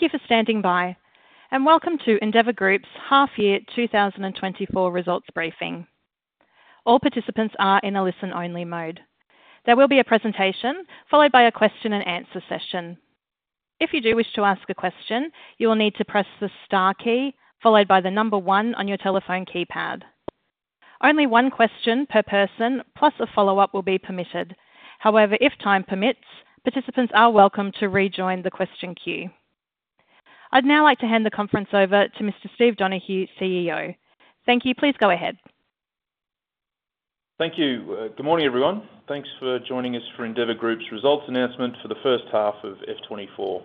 Thank you for standing by, and welcome to Endeavour Group's half year 2024 results briefing. All participants are in a listen-only mode. There will be a presentation followed by a question-and-answer session. If you do wish to ask a question, you will need to press the star key followed by the number one on your telephone keypad. Only one question per person plus a follow-up will be permitted. However, if time permits, participants are welcome to rejoin the question queue. I'd now like to hand the conference over to Mr. Steve Donohue, CEO. Thank you. Please go ahead. Thank you. Good morning, everyone. Thanks for joining us for Endeavour Group's results announcement for the first half of F2024.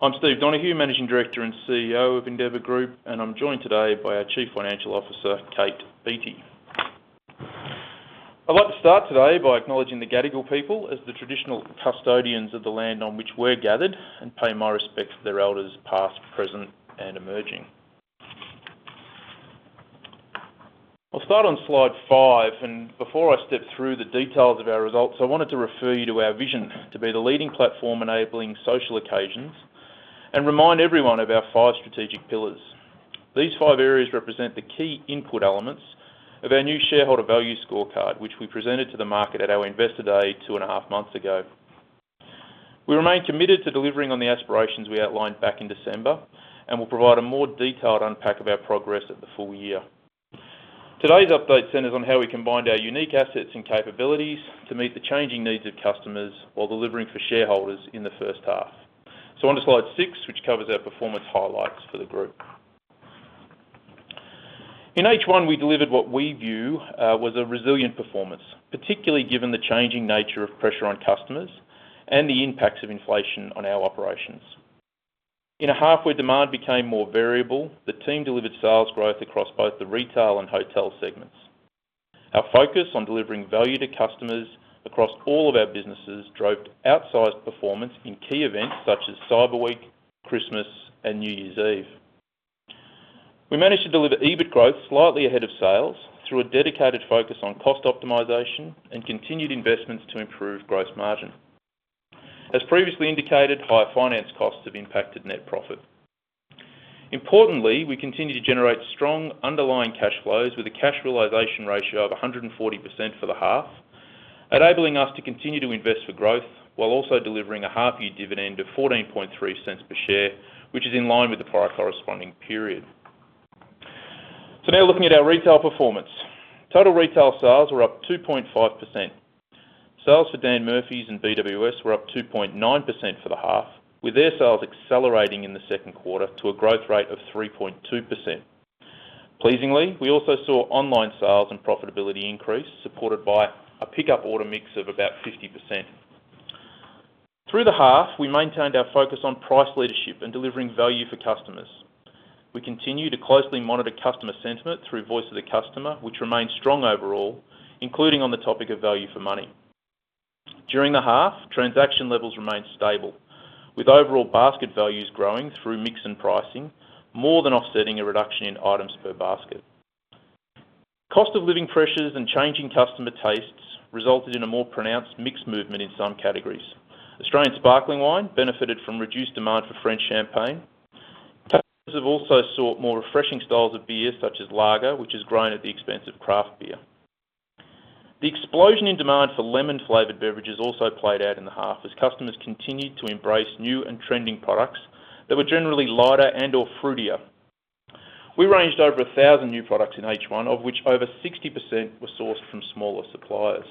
I'm Steve Donohue, Managing Director and CEO of Endeavour Group, and I'm joined today by our Chief Financial Officer, Kate Beattie. I'd like to start today by acknowledging the Gadigal people as the traditional custodians of the land on which we're gathered and pay my respects to their elders past, present, and emerging. I'll start on slide 5, and before I step through the details of our results, I wanted to refer you to our vision to be the leading platform enabling social occasions and remind everyone of our 5 strategic pillars. These five areas represent the key input elements of our new shareholder value scorecard, which we presented to the market at our Investor Day 2.5 months ago. We remain committed to delivering on the aspirations we outlined back in December and will provide a more detailed unpack of our progress at the full year. Today's update centers on how we combined our unique assets and capabilities to meet the changing needs of customers while delivering for shareholders in the first half. Onto slide six, which covers our performance highlights for the group. In H1, we delivered what we view was a resilient performance, particularly given the changing nature of pressure on customers and the impacts of inflation on our operations. In a half where demand became more variable, the team delivered sales growth across both the retail and hotel segments. Our focus on delivering value to customers across all of our businesses drove outsized performance in key events such as Cyber Week, Christmas, and New Year's Eve. We managed to deliver EBIT growth slightly ahead of sales through a dedicated focus on cost optimization and continued investments to improve gross margin. As previously indicated, higher finance costs have impacted net profit. Importantly, we continue to generate strong underlying cash flows with a cash realization ratio of 140% for the half, enabling us to continue to invest for growth while also delivering a half-year dividend of 0.143 per share, which is in line with the prior corresponding period. So now looking at our retail performance. Total retail sales were up 2.5%. Sales for Dan Murphy's and BWS were up 2.9% for the half, with their sales accelerating in the second quarter to a growth rate of 3.2%. Pleasingly, we also saw online sales and profitability increase supported by a pickup order mix of about 50%. Through the half, we maintained our focus on price leadership and delivering value for customers. We continue to closely monitor customer sentiment through Voice of the Customer, which remains strong overall, including on the topic of value for money. During the half, transaction levels remained stable, with overall basket values growing through mix and pricing, more than offsetting a reduction in items per basket. Cost of living pressures and changing customer tastes resulted in a more pronounced mixed movement in some categories. Australian sparkling wine benefited from reduced demand for French champagne. Customers have also sought more refreshing styles of beer such as lager, which has grown at the expense of craft beer. The explosion in demand for lemon-flavored beverages also played out in the half as customers continued to embrace new and trending products that were generally lighter and/or fruitier. We ranged over 1,000 new products in H1, of which over 60% were sourced from smaller suppliers.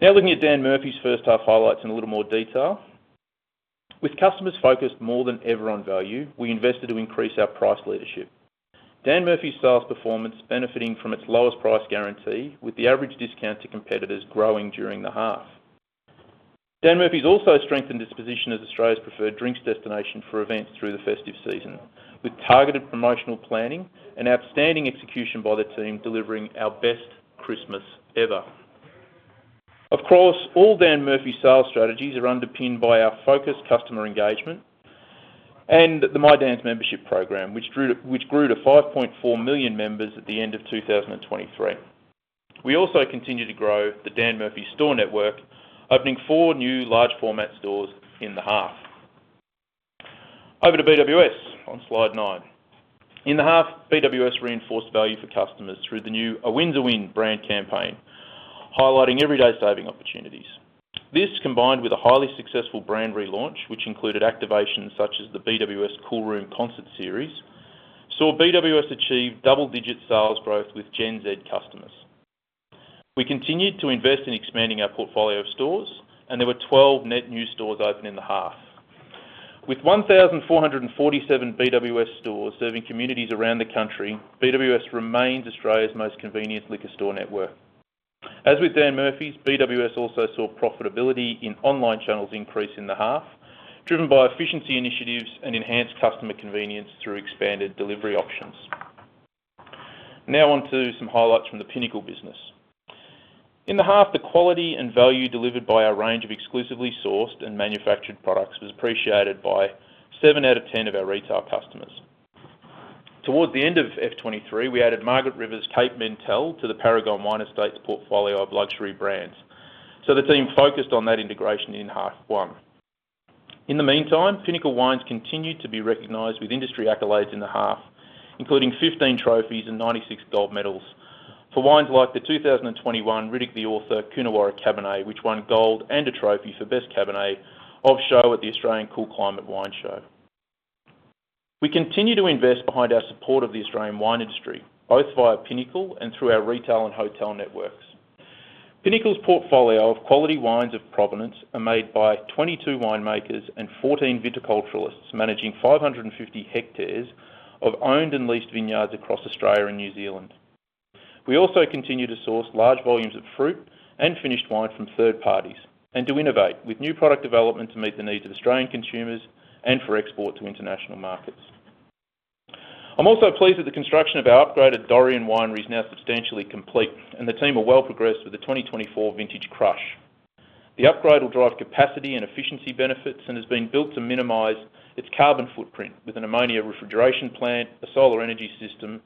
Now looking at Dan Murphy's first half highlights in a little more detail. With customers focused more than ever on value, we invested to increase our price leadership. Dan Murphy's sales performance benefiting from its lowest price guarantee, with the average discount to competitors growing during the half. Dan Murphy's also strengthened his position as Australia's preferred drinks destination for events through the festive season, with targeted promotional planning and outstanding execution by the team delivering our best Christmas ever. Of course, all Dan Murphy's sales strategies are underpinned by our focused customer engagement and the My Dan's membership program, which grew to 5.4 million members at the end of 2023. We also continue to grow the Dan Murphy's store network, opening four new large-format stores in the half. Over to BWS on slide nine. In the half, BWS reinforced value for customers through the new 'A win's a win' brand campaign, highlighting everyday saving opportunities. This, combined with a highly successful brand relaunch, which included activations such as the BWS Cool Room concert series, saw BWS achieve double-digit sales growth with Gen Z customers. We continued to invest in expanding our portfolio of stores, and there were 12 net new stores open in the half. With 1,447 BWS stores serving communities around the country, BWS remains Australia's most convenient liquor store network. As with Dan Murphy's, BWS also saw profitability in online channels increase in the half, driven by efficiency initiatives and enhanced customer convenience through expanded delivery options. Now onto some highlights from the Pinnacle business. In the half, the quality and value delivered by our range of exclusively sourced and manufactured products was appreciated by seven out of 10 of our retail customers. Towards the end of FY23, we added Margaret River's Cape Mentelle to the Paragon Wine Estates portfolio of luxury brands, so the team focused on that integration in half one. In the meantime, Pinnacle wines continued to be recognized with industry accolades in the half, including 15 trophies and 96 gold medals for wines like the 2021 Riddoch The Author Coonawarra Cabernet, which won gold and a trophy for best cabernet of the show at the Australian Cool Climate Wine Show. We continue to invest behind our support of the Australian wine industry, both via Pinnacle and through our retail and hotel networks. Pinnacle's portfolio of quality wines of provenance are made by 22 winemakers and 14 viticulturalists managing 550 hectares of owned and leased vineyards across Australia and New Zealand. We also continue to source large volumes of fruit and finished wine from third parties and to innovate with new product development to meet the needs of Australian consumers and for export to international markets. I'm also pleased that the construction of our upgraded Dorrien Winery is now substantially complete, and the team are well progressed with the 2024 vintage crush. The upgrade will drive capacity and efficiency benefits and has been built to minimize its carbon footprint with an ammonia refrigeration plant, a solar energy system,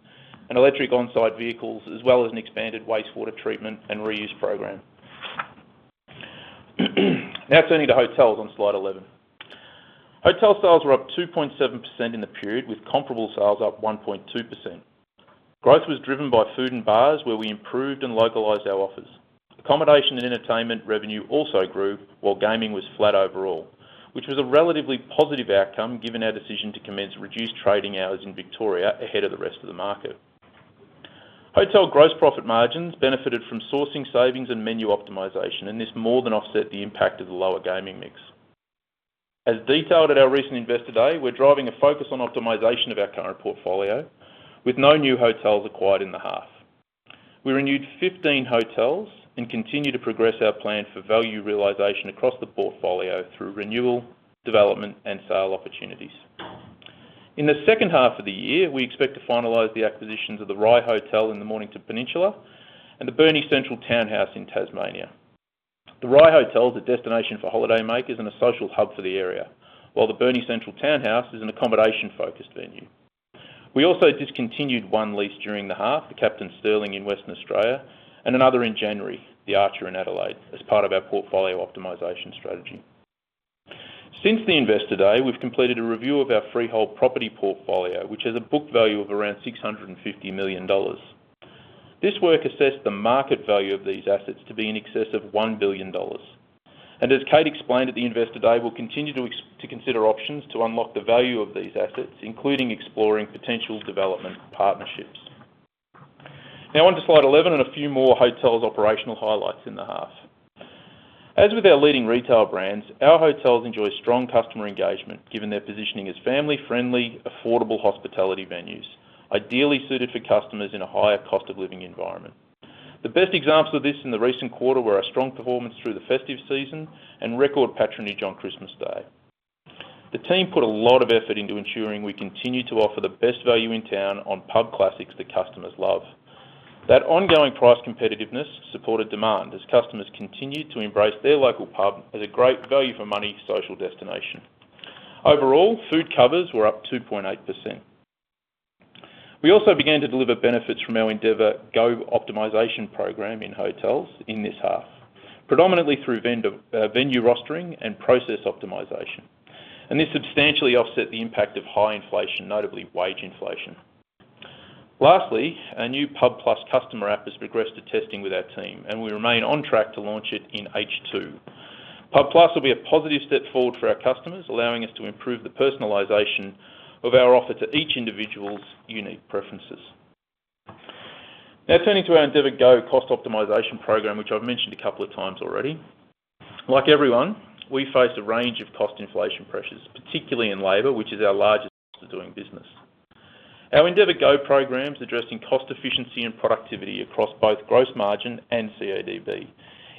and electric onsite vehicles, as well as an expanded wastewater treatment and reuse program. Now turning to hotels on slide 11. Hotel sales were up 2.7% in the period, with comparable sales up 1.2%. Growth was driven by food and bars, where we improved and localized our offers. Accommodation and entertainment revenue also grew, while gaming was flat overall, which was a relatively positive outcome given our decision to commence reduced trading hours in Victoria ahead of the rest of the market. Hotel gross profit margins benefited from sourcing savings and menu optimization, and this more than offset the impact of the lower gaming mix. As detailed at our recent Investor Day, we're driving a focus on optimization of our current portfolio, with no new hotels acquired in the half. We renewed 15 hotels and continue to progress our plan for value realization across the portfolio through renewal, development, and sale opportunities. In the second half of the year, we expect to finalize the acquisitions of the Rye Hotel in the Mornington Peninsula and the Burnie Central Townhouse in Tasmania. The Rye Hotel is a destination for holiday makers and a social hub for the area, while the Burnie Central Townhouse is an accommodation-focused venue. We also discontinued one lease during the half, the Captain Stirling in Western Australia, and another in January, the Archer in Adelaide, as part of our portfolio optimization strategy. Since the Investor Day, we've completed a review of our freehold property portfolio, which has a book value of around 650 million dollars. This work assessed the market value of these assets to be in excess of 1 billion dollars. As Kate explained at the Investor Day, we'll continue to consider options to unlock the value of these assets, including exploring potential development partnerships. Now onto slide 11 and a few more hotels' operational highlights in the half. As with our leading retail brands, our hotels enjoy strong customer engagement given their positioning as family-friendly, affordable hospitality venues, ideally suited for customers in a higher cost-of-living environment. The best examples of this in the recent quarter were our strong performance through the festive season and record patronage on Christmas Day. The team put a lot of effort into ensuring we continue to offer the best value in town on pub classics that customers love. That ongoing price competitiveness supported demand as customers continued to embrace their local pub as a great value-for-money social destination. Overall, food covers were up 2.8%. We also began to deliver benefits from our endeavourGO optimization program in hotels in this half, predominantly through venue rostering and process optimization, and this substantially offset the impact of high inflation, notably wage inflation. Lastly, our new pub+ customer app has progressed to testing with our team, and we remain on track to launch it in H2. pub+ will be a positive step forward for our customers, allowing us to improve the personalization of our offer to each individual's unique preferences. Now turning to our endeavourGO cost optimization program, which I've mentioned a couple of times already. Like everyone, we face a range of cost inflation pressures, particularly in labor, which is our largest source of doing business. Our endeavourGO program is addressing cost efficiency and productivity across both gross margin and CADB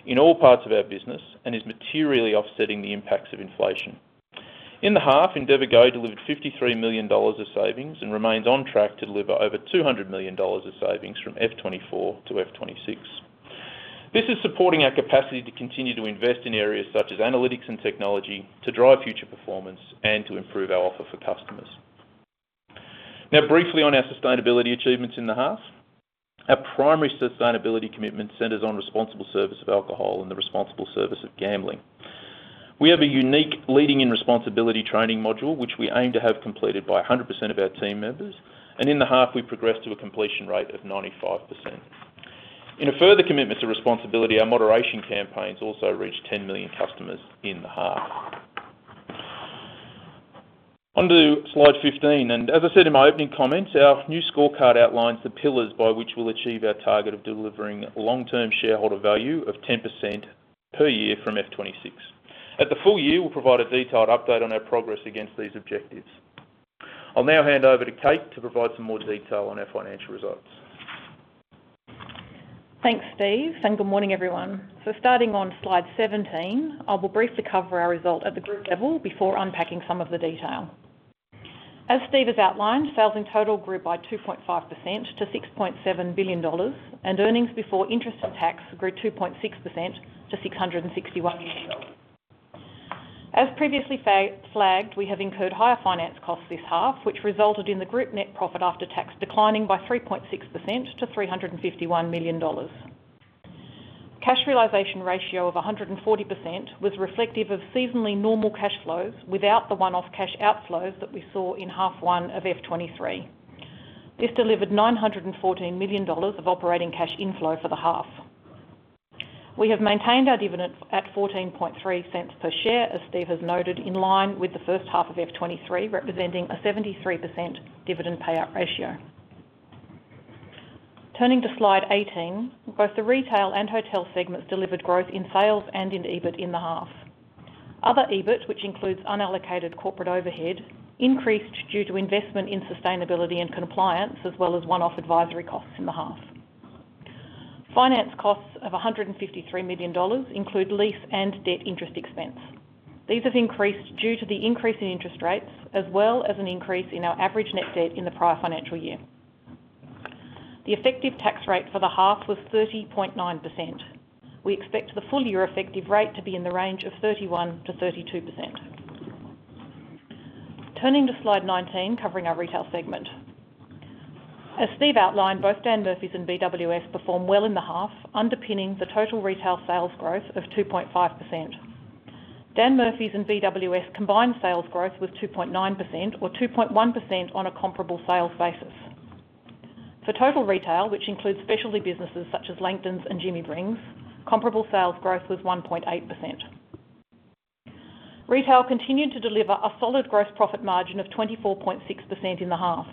in all parts of our business and is materially offsetting the impacts of inflation. In the half, endeavourGO delivered 53 million dollars of savings and remains on track to deliver over 200 million dollars of savings from FY24 to FY26. This is supporting our capacity to continue to invest in areas such as analytics and technology to drive future performance and to improve our offer for customers. Now briefly on our sustainability achievements in the half. Our primary sustainability commitment centers on responsible service of alcohol and the responsible service of gambling. We have a unique leading-in-responsibility training module, which we aim to have completed by 100% of our team members, and in the half, we progressed to a completion rate of 95%. In a further commitment to responsibility, our moderation campaigns also reached 10 million customers in the half. Onto slide 15. And as I said in my opening comments, our new scorecard outlines the pillars by which we'll achieve our target of delivering long-term shareholder value of 10% per year from FY26. At the full year, we'll provide a detailed update on our progress against these objectives. I'll now hand over to Kate to provide some more detail on our financial results. Thanks, Steve. Good morning, everyone. Starting on slide 17, I will briefly cover our result at the group level before unpacking some of the detail. As Steve has outlined, sales in total grew by 2.5% to 6.7 billion dollars, and earnings before interest and tax grew 2.6% to 661 million. As previously flagged, we have incurred higher finance costs this half, which resulted in the group net profit after tax declining by 3.6% to 351 million dollars. Cash realization ratio of 140% was reflective of seasonally normal cash flows without the one-off cash outflows that we saw in half one of F2023. This delivered 914 million dollars of operating cash inflow for the half. We have maintained our dividend at 0.143 per share, as Steve has noted, in line with the first half of F2023, representing a 73% dividend payout ratio. Turning to slide 18, both the retail and hotel segments delivered growth in sales and in EBIT in the half. Other EBIT, which includes unallocated corporate overhead, increased due to investment in sustainability and compliance, as well as one-off advisory costs in the half. Finance costs of 153 million dollars include lease and debt interest expense. These have increased due to the increase in interest rates, as well as an increase in our average net debt in the prior financial year. The effective tax rate for the half was 30.9%. We expect the full-year effective rate to be in the range of 31%-32%. Turning to slide 19, covering our retail segment. As Steve outlined, both Dan Murphy's and BWS perform well in the half, underpinning the total retail sales growth of 2.5%. Dan Murphy's and BWS combined sales growth was 2.9% or 2.1% on a comparable sales basis. For total retail, which includes specialty businesses such as LANGTONS and Jimmy Brings, comparable sales growth was 1.8%. Retail continued to deliver a solid gross profit margin of 24.6% in the half.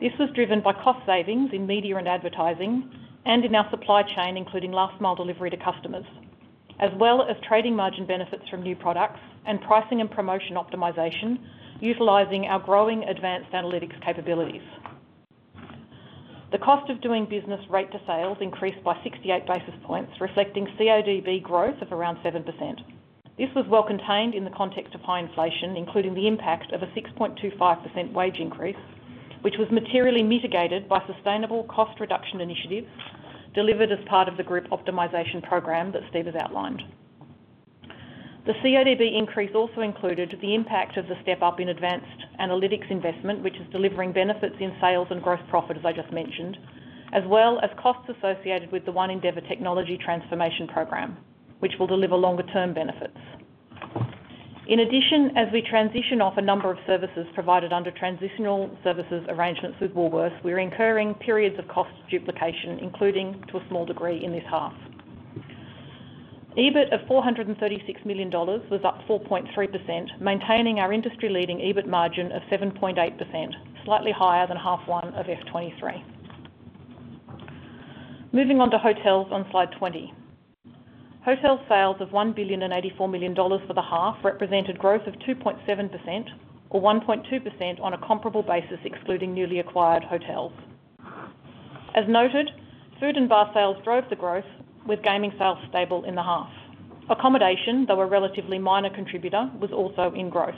This was driven by cost savings in media and advertising and in our supply chain, including last-mile delivery to customers, as well as trading margin benefits from new products and pricing and promotion optimization utilizing our growing advanced analytics capabilities. The cost of doing business rate to sales increased by 68 basis points, reflecting CADB growth of around 7%. This was well contained in the context of high inflation, including the impact of a 6.25% wage increase, which was materially mitigated by sustainable cost reduction initiatives delivered as part of the group optimization program that Steve has outlined. The CADB increase also included the impact of the step up in advanced analytics investment, which is delivering benefits in sales and gross profit, as I just mentioned, as well as costs associated with the One Endeavour technology transformation program, which will deliver longer-term benefits. In addition, as we transition off a number of services provided under transitional services arrangements with Woolworths, we're incurring periods of cost duplication, including to a small degree in this half. EBIT of 436 million dollars was up 4.3%, maintaining our industry-leading EBIT margin of 7.8%, slightly higher than half one of F2023. Moving onto hotels on slide 20. Hotel sales of 1 billion and 84 million dollars for the half represented growth of 2.7% or 1.2% on a comparable basis, excluding newly acquired hotels. As noted, food and bar sales drove the growth, with gaming sales stable in the half. Accommodation, though a relatively minor contributor, was also in growth.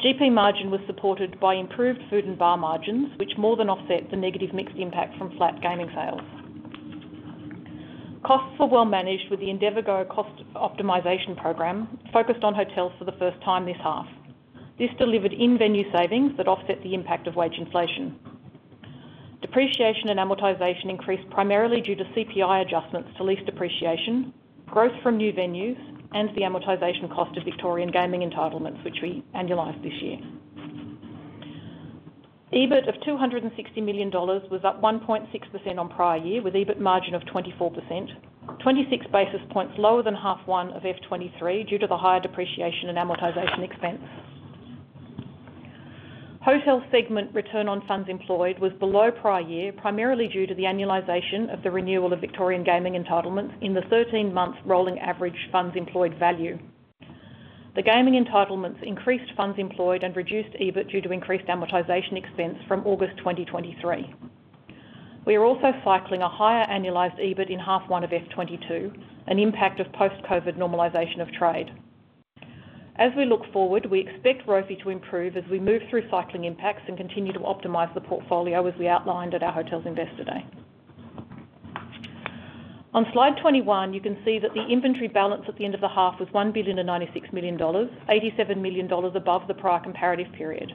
GP margin was supported by improved food and bar margins, which more than offset the negative mixed impact from flat gaming sales. Costs were well managed with the endeavourGO cost optimization program, focused on hotels for the first time this half. This delivered in-venue savings that offset the impact of wage inflation. Depreciation and amortization increased primarily due to CPI adjustments to lease depreciation, growth from new venues, and the amortization cost of Victorian gaming entitlements, which we annualized this year. EBIT of 260 million dollars was up 1.6% on prior year, with EBIT margin of 24%, 26 basis points lower than half one of F2023 due to the higher depreciation and amortization expense. Hotel segment return on funds employed was below prior year, primarily due to the annualization of the renewal of Victorian gaming entitlements in the 13-month rolling average funds employed value. The gaming entitlements increased funds employed and reduced EBIT due to increased amortization expense from August 2023. We are also cycling a higher annualized EBIT in half one of FY2022, an impact of post-COVID normalization of trade. As we look forward, we expect ROFE to improve as we move through cycling impacts and continue to optimize the portfolio, as we outlined at our hotels Investor Day. On slide 21, you can see that the inventory balance at the end of the half was 1.096 billion, 87 million dollars above the prior comparative period.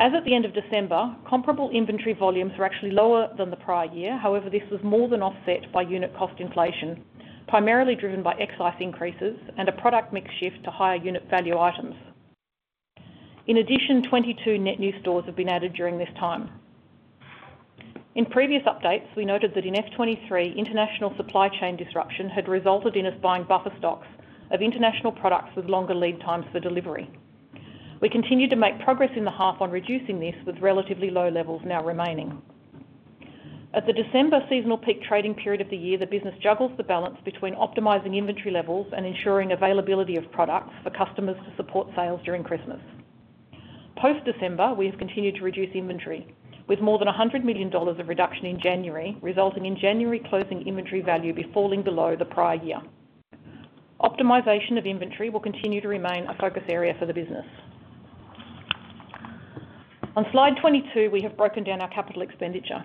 As at the end of December, comparable inventory volumes were actually lower than the prior year. However, this was more than offset by unit cost inflation, primarily driven by excise increases and a product mix shift to higher unit value items. In addition, 22 net new stores have been added during this time. In previous updates, we noted that in F2023, international supply chain disruption had resulted in us buying buffer stocks of international products with longer lead times for delivery. We continue to make progress in the half on reducing this, with relatively low levels now remaining. At the December seasonal peak trading period of the year, the business juggles the balance between optimizing inventory levels and ensuring availability of products for customers to support sales during Christmas. Post-December, we have continued to reduce inventory, with more than 100 million dollars of reduction in January, resulting in January closing inventory value before falling below the prior year. Optimization of inventory will continue to remain a focus area for the business. On slide 22, we have broken down our capital expenditure.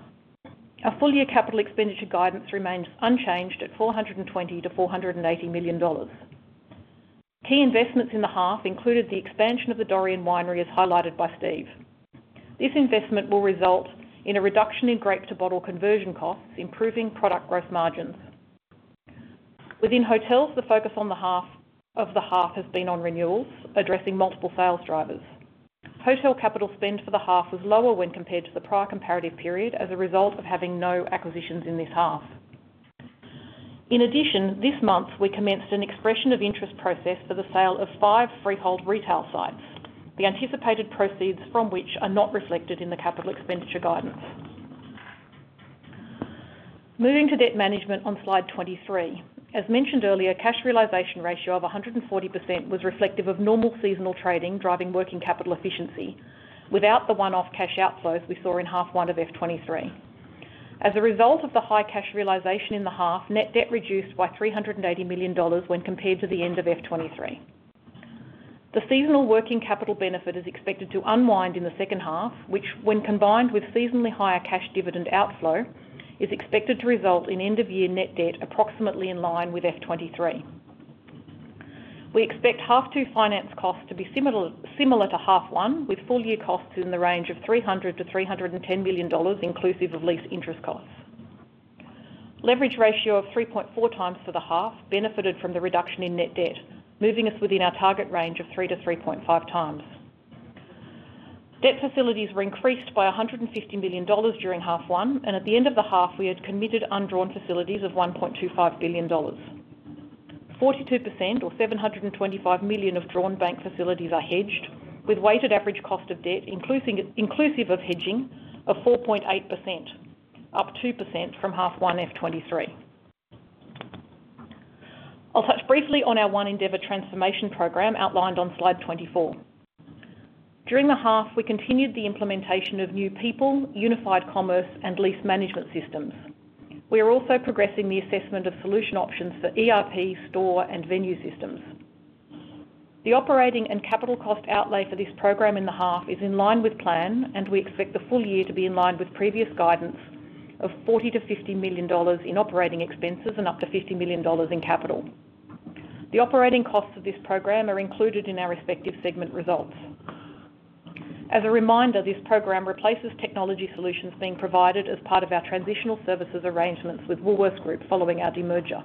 Our full-year capital expenditure guidance remains unchanged at 420 million-480 million dollars. Key investments in the half included the expansion of the Dorrien Winery, as highlighted by Steve. This investment will result in a reduction in grape-to-bottle conversion costs, improving product growth margins. Within hotels, the focus on the half of the half has been on renewals, addressing multiple sales drivers. Hotel capital spend for the half was lower when compared to the prior comparative period as a result of having no acquisitions in this half. In addition, this month, we commenced an expression of interest process for the sale of five freehold retail sites, the anticipated proceeds from which are not reflected in the capital expenditure guidance. Moving to debt management on slide 23. As mentioned earlier, cash realization ratio of 140% was reflective of normal seasonal trading driving working capital efficiency without the one-off cash outflows we saw in half one of F2023. As a result of the high cash realization in the half, net debt reduced by 380 million dollars when compared to the end of F2023. The seasonal working capital benefit is expected to unwind in the second half, which, when combined with seasonally higher cash dividend outflow, is expected to result in end-of-year net debt approximately in line with F2023. We expect half two finance costs to be similar to half one, with full-year costs in the range of 300 million-310 million dollars, inclusive of lease interest costs. Leverage ratio of 3.4x for the half benefited from the reduction in net debt, moving us within our target range of 3x-3.5x. Debt facilities were increased by 150 million dollars during half one, and at the end of the half, we had committed undrawn facilities of 1.25 billion dollars. 42% or 725 million of drawn bank facilities are hedged, with weighted average cost of debt, inclusive of hedging, of 4.8%, up 2% from half one F2023. I'll touch briefly on our One Endeavour transformation program outlined on slide 24. During the half, we continued the implementation of new people, unified commerce, and lease management systems. We are also progressing the assessment of solution options for ERP, store, and venue systems. The operating and capital cost outlay for this program in the half is in line with plan, and we expect the full year to be in line with previous guidance of 40 million-50 million dollars in operating expenses and up to 50 million dollars in capital. The operating costs of this program are included in our respective segment results. As a reminder, this program replaces technology solutions being provided as part of our transitional services arrangements with Woolworths Group following our demerger.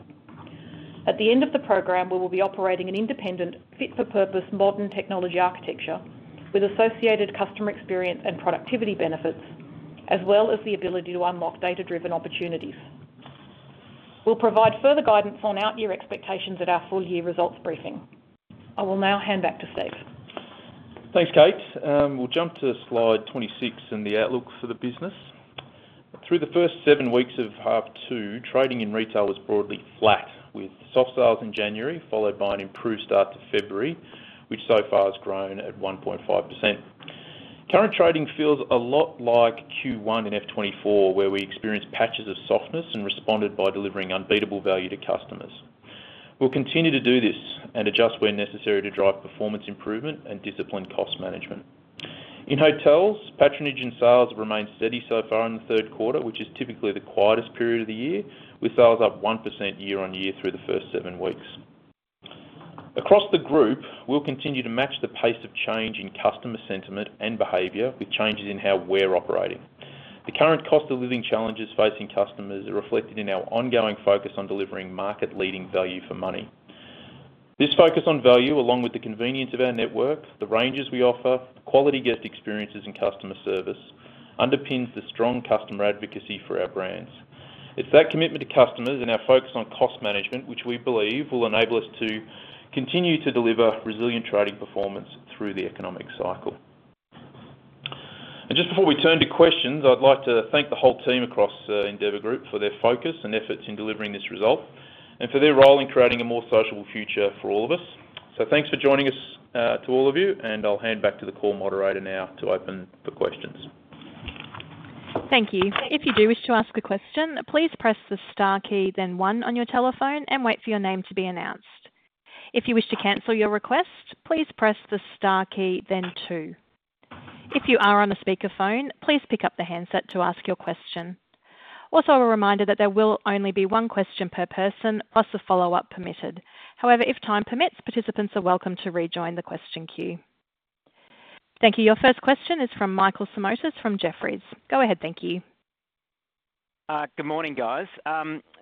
At the end of the program, we will be operating an independent, fit-for-purpose modern technology architecture with associated customer experience and productivity benefits, as well as the ability to unlock data-driven opportunities. We'll provide further guidance on out-year expectations at our full-year results briefing. I will now hand back to Steve. Thanks, Kate. We'll jump to slide 26 in the outlook for the business. Through the first seven weeks of half two, trading in retail was broadly flat, with soft sales in January followed by an improved start to February, which so far has grown at 1.5%. Current trading feels a lot like Q1 in F2024, where we experienced patches of softness and responded by delivering unbeatable value to customers. We'll continue to do this and adjust where necessary to drive performance improvement and discipline cost management. In hotels, patronage and sales have remained steady so far in the third quarter, which is typically the quietest period of the year, with sales up 1% year-on-year through the first seven weeks. Across the group, we'll continue to match the pace of change in customer sentiment and behavior, with changes in how we're operating. The current cost of living challenges facing customers are reflected in our ongoing focus on delivering market-leading value for money. This focus on value, along with the convenience of our network, the ranges we offer, quality guest experiences, and customer service, underpins the strong customer advocacy for our brands. It's that commitment to customers and our focus on cost management which we believe will enable us to continue to deliver resilient trading performance through the economic cycle. Just before we turn to questions, I'd like to thank the whole team across Endeavour Group for their focus and efforts in delivering this result and for their role in creating a more sociable future for all of us. Thanks for joining us, to all of you, and I'll hand back to the call moderator now to open for questions. Thank you. If you do wish to ask a question, please press the star key, then one, on your telephone and wait for your name to be announced. If you wish to cancel your request, please press the star key, then two. If you are on a speakerphone, please pick up the handset to ask your question. Also, a reminder that there will only be one question per person, plus a follow-up permitted. However, if time permits, participants are welcome to rejoin the question queue. Thank you. Your first question is from Michael Simotas from Jefferies. Go ahead. Thank you. Good morning, guys.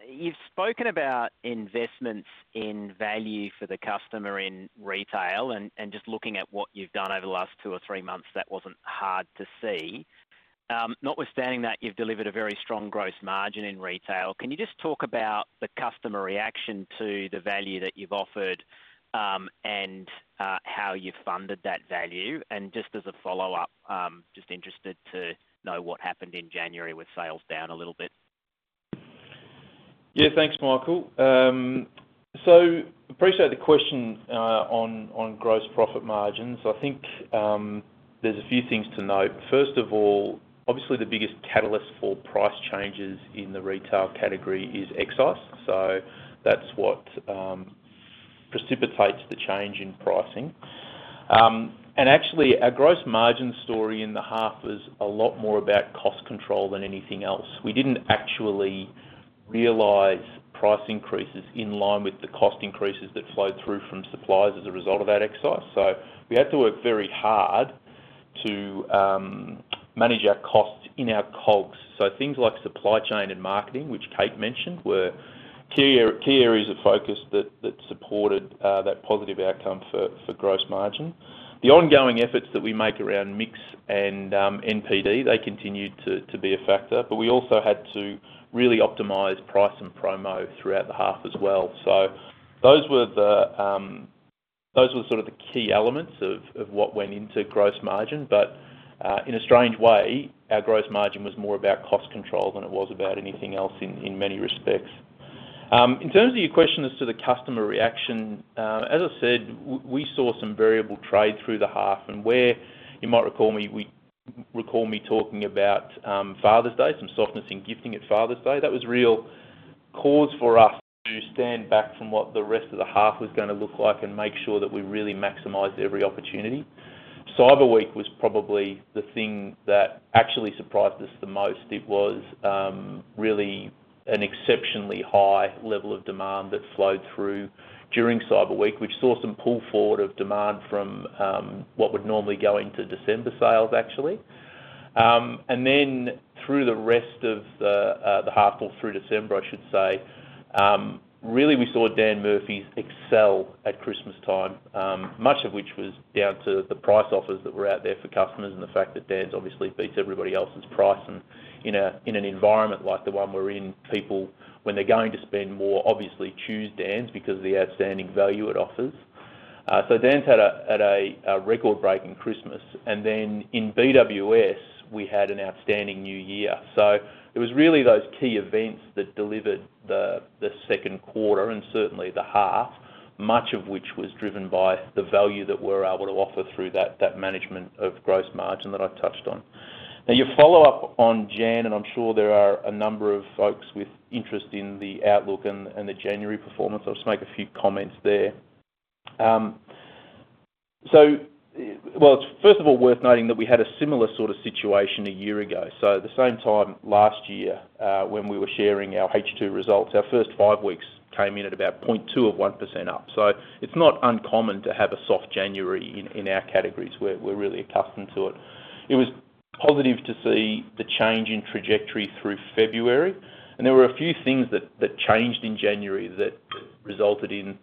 You've spoken about investments in value for the customer in retail, and just looking at what you've done over the last two or three months, that wasn't hard to see. Notwithstanding that, you've delivered a very strong gross margin in retail. Can you just talk about the customer reaction to the value that you've offered and how you've funded that value? And just as a follow-up, just interested to know what happened in January with sales down a little bit. Yeah. Thanks, Michael. So appreciate the question on gross profit margins. I think there's a few things to note. First of all, obviously, the biggest catalyst for price changes in the retail category is excise. So that's what precipitates the change in pricing. And actually, our gross margin story in the half was a lot more about cost control than anything else. We didn't actually realize price increases in line with the cost increases that flowed through from supplies as a result of that excise. So we had to work very hard to manage our costs in our COGS. So things like supply chain and marketing, which Kate mentioned, were key areas of focus that supported that positive outcome for gross margin. The ongoing efforts that we make around mix and NPD, they continued to be a factor. But we also had to really optimize price and promo throughout the half as well. So those were sort of the key elements of what went into gross margin. But in a strange way, our gross margin was more about cost control than it was about anything else in many respects. In terms of your question as to the customer reaction, as I said, we saw some variable trade through the half. And where you might recall me, you recall me talking about Father's Day, some softness in gifting at Father's Day. That was real cause for us to stand back from what the rest of the half was going to look like and make sure that we really maximized every opportunity. Cyber Week was probably the thing that actually surprised us the most. It was really an exceptionally high level of demand that flowed through during Cyber Week, which saw some pull forward of demand from what would normally go into December sales, actually. And then through the rest of the half, all through December, I should say, really, we saw Dan Murphy's excel at Christmas time, much of which was down to the price offers that were out there for customers and the fact that Dan's obviously beat everybody else's price. And in an environment like the one we're in, people, when they're going to spend more, obviously choose Dan's because of the outstanding value it offers. So Dan's had a record-breaking Christmas. And then in BWS, we had an outstanding New Year. So it was really those key events that delivered the second quarter and certainly the half, much of which was driven by the value that we're able to offer through that management of gross margin that I touched on. Now, your follow-up on January, and I'm sure there are a number of folks with interest in the outlook and the January performance. I'll just make a few comments there. Well, it's first of all worth noting that we had a similar sort of situation a year ago. So the same time last year when we were sharing our H2 results, our first five weeks came in at about 0.2% up. So it's not uncommon to have a soft January in our categories. We're really accustomed to it. It was positive to see the change in trajectory through February. There were a few things that changed in January that resulted in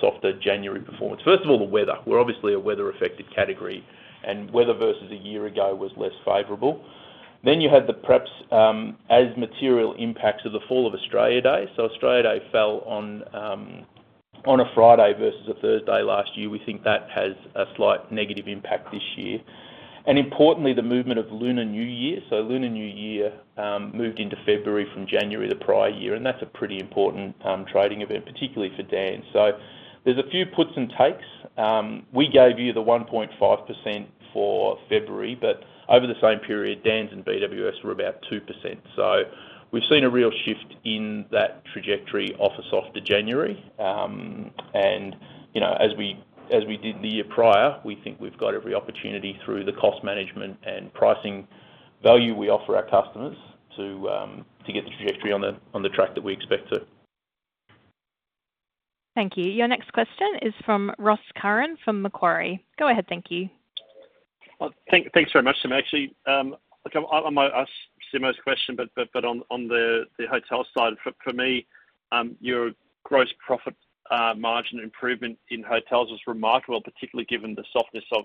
softer January performance. First of all, the weather. We're obviously a weather-affected category, and weather versus a year ago was less favorable. You had the perhaps equally material impacts of the fall of Australia Day. Australia Day fell on a Friday versus a Thursday last year. We think that has a slight negative impact this year. Importantly, the movement of Lunar New Year. Lunar New Year moved into February from January, the prior year. That's a pretty important trading event, particularly for Dan's. There's a few puts and takes. We gave you the 1.5% for February, but over the same period, Dan's and BWS were about 2%. We've seen a real shift in that trajectory off a softer January. As we did the year prior, we think we've got every opportunity through the cost management and pricing value we offer our customers to get the trajectory on the track that we expect to. Thank you. Your next question is from Ross Curran from Macquarie. Go ahead. Thank you. Thanks very much, team. Actually, I might ask Simo's question, but on the hotel side, for me, your gross profit margin improvement in hotels was remarkable, particularly given the softness of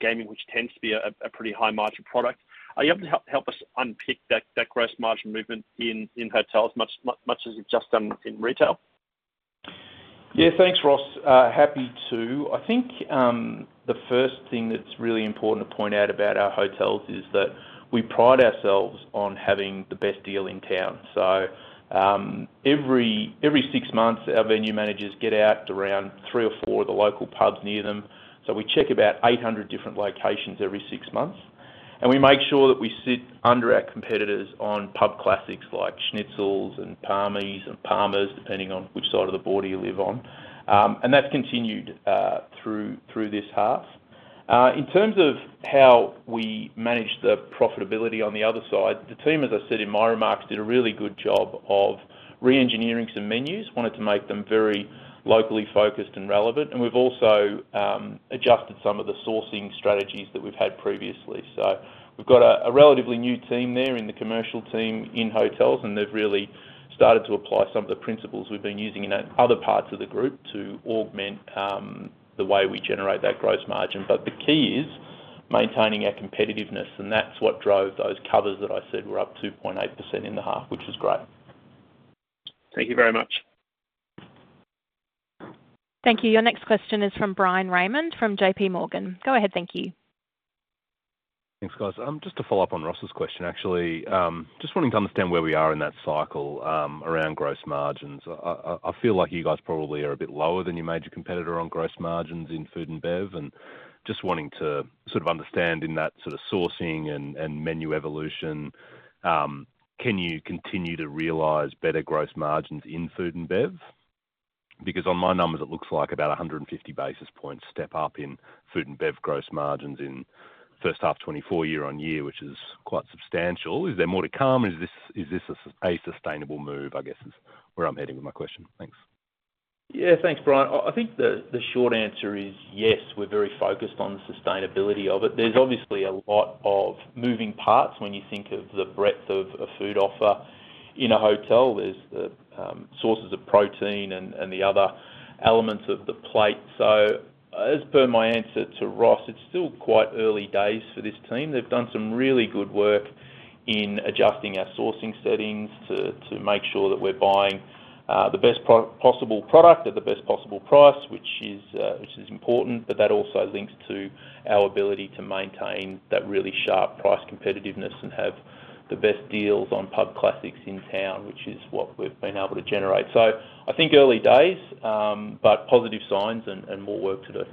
gaming, which tends to be a pretty high-margin product. Are you able to help us unpick that gross margin movement in hotels much as you've just done in retail? Yeah. Thanks, Ross. Happy to. I think the first thing that's really important to point out about our hotels is that we pride ourselves on having the best deal in town. Every six months, our venue managers get out around three or four of the local pubs near them. We check about 800 different locations every six months. And we make sure that we sit under our competitors on pub classics like schnitzels and parmis and parmas, depending on which side of the border you live on. And that's continued through this half. In terms of how we manage the profitability on the other side, the team, as I said in my remarks, did a really good job of re-engineering some menus, wanted to make them very locally focused and relevant. And we've also adjusted some of the sourcing strategies that we've had previously. So we've got a relatively new team there in the commercial team in hotels, and they've really started to apply some of the principles we've been using in other parts of the group to augment the way we generate that gross margin. But the key is maintaining our competitiveness, and that's what drove those covers that I said were up 2.8% in the half, which was great. Thank you very much. Thank you. Your next question is from Bryan Raymond from J.P. Morgan. Go ahead. Thank you. Thanks, guys. Just to follow up on Ross's question, actually, just wanting to understand where we are in that cycle around gross margins. I feel like you guys probably are a bit lower than your major competitor on gross margins in food and bev. And just wanting to sort of understand in that sort of sourcing and menu evolution, can you continue to realize better gross margins in food and bev? Because on my numbers, it looks like about 150 basis points step up in food and bev gross margins in first half 2024 year-on-year, which is quite substantial. Is there more to come, and is this a sustainable move, I guess, is where I'm heading with my question? Thanks. Yeah. Thanks, Bryan. I think the short answer is yes. We're very focused on the sustainability of it. There's obviously a lot of moving parts when you think of the breadth of a food offer in a hotel. There's the sources of protein and the other elements of the plate. So as per my answer to Ross, it's still quite early days for this team. They've done some really good work in adjusting our sourcing settings to make sure that we're buying the best possible product at the best possible price, which is important. But that also links to our ability to maintain that really sharp price competitiveness and have the best deals on pub classics in town, which is what we've been able to generate. So I think early days, but positive signs and more work to do.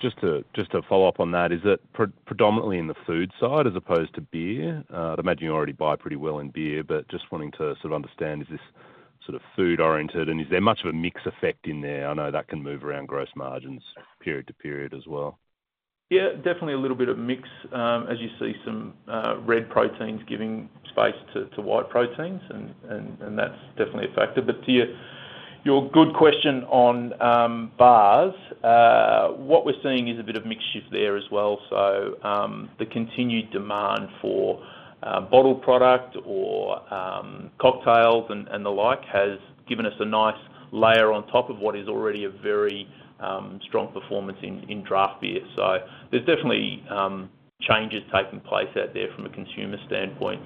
Just to follow up on that, is it predominantly in the food side as opposed to beer? I'd imagine you already buy pretty well in beer, but just wanting to sort of understand, is this sort of food-oriented, and is there much of a mix effect in there? I know that can move around gross margins period to period as well. Yeah. Definitely a little bit of mix as you see some red proteins giving space to white proteins, and that's definitely a factor. But to your good question on bars, what we're seeing is a bit of mix shift there as well. So the continued demand for bottled product or cocktails and the like has given us a nice layer on top of what is already a very strong performance in draft beer. So there's definitely changes taking place out there from a consumer standpoint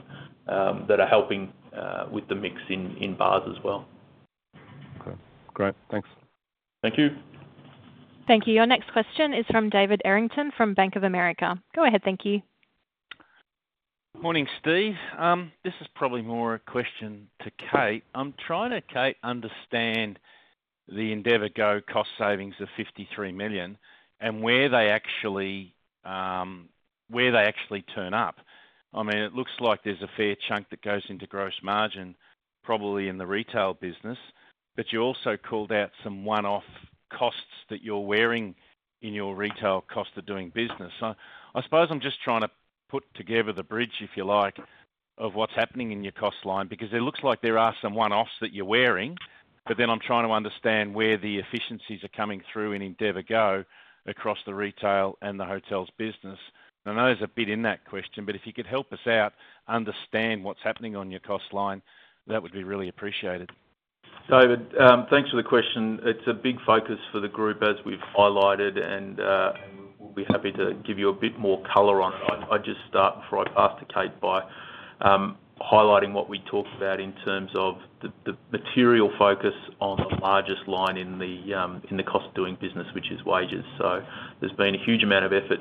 that are helping with the mix in bars as well. Okay. Great. Thanks. Thank you. Thank you. Your next question is from David Errington from Bank of America. Go ahead. Thank you. Morning, Steve. This is probably more a question to Kate. I'm trying to, Kate, understand the endeavourGO cost savings of 53 million and where they actually turn up. I mean, it looks like there's a fair chunk that goes into gross margin, probably in the retail business. But you also called out some one-off costs that you're wearing in your retail cost of doing business. So I suppose I'm just trying to put together the bridge, if you like, of what's happening in your cost line because it looks like there are some one-offs that you're wearing. But then I'm trying to understand where the efficiencies are coming through in endeavourGO across the retail and the hotels' business. And I know there's a bit in that question, but if you could help us out understand what's happening on your cost line, that would be really appreciated. David, thanks for the question. It's a big focus for the group, as we've highlighted, and we'll be happy to give you a bit more color on it. I'll just start before I pass to Kate by highlighting what we talked about in terms of the material focus on the largest line in the cost of doing business, which is wages. So there's been a huge amount of effort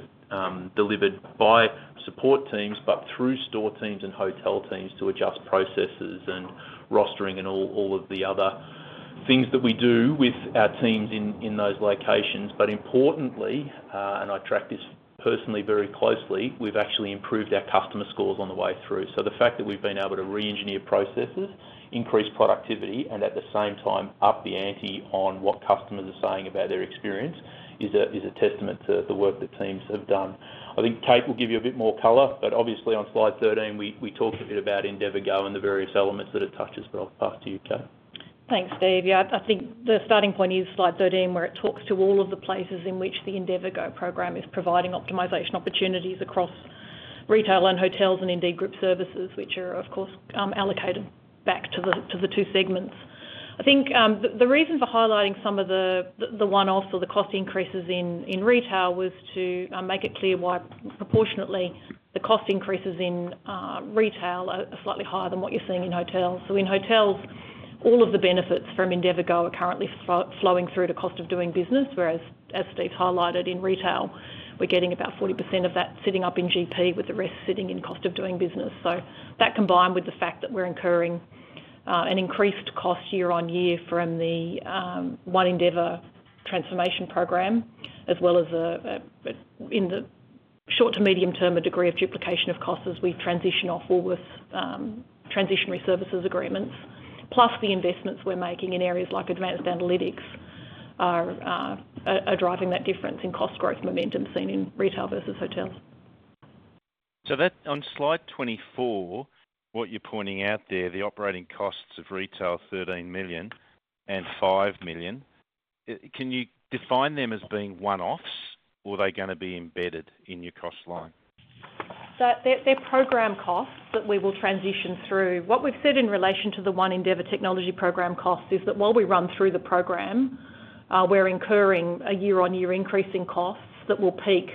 delivered by support teams but through store teams and hotel teams to adjust processes and rostering and all of the other things that we do with our teams in those locations. But importantly, and I track this personally very closely, we've actually improved our customer scores on the way through. The fact that we've been able to re-engineer processes, increase productivity, and at the same time up the ante on what customers are saying about their experience is a testament to the work that teams have done. I think Kate will give you a bit more color. Obviously, on slide 13, we talked a bit about endeavourGO and the various elements that it touches. I'll pass to you, Kate. Thanks, Steve. Yeah. I think the starting point is slide 13 where it talks to all of the places in which the endeavourGO program is providing optimization opportunities across retail and hotels and indeed group services, which are, of course, allocated back to the two segments. I think the reason for highlighting some of the one-offs or the cost increases in retail was to make it clear why, proportionately, the cost increases in retail are slightly higher than what you're seeing in hotels. So in hotels, all of the benefits from endeavourGO are currently flowing through to cost of doing business. Whereas, as Steve's highlighted, in retail, we're getting about 40% of that sitting up in GP, with the rest sitting in cost of doing business. That combined with the fact that we're incurring an increased cost year-over-year from the One Endeavour transformation program, as well as in the short to medium term, a degree of duplication of costs as we transition off all of those transitional services agreements, plus the investments we're making in areas like advanced analytics are driving that difference in cost growth momentum seen in retail versus hotels. On slide 24, what you're pointing out there, the operating costs of retail, 13 million and 5 million, can you define them as being one-offs, or are they going to be embedded in your cost line? So they're program costs that we will transition through. What we've said in relation to the One Endeavour Technology program costs is that while we run through the program, we're incurring a year-on-year increase in costs that will peak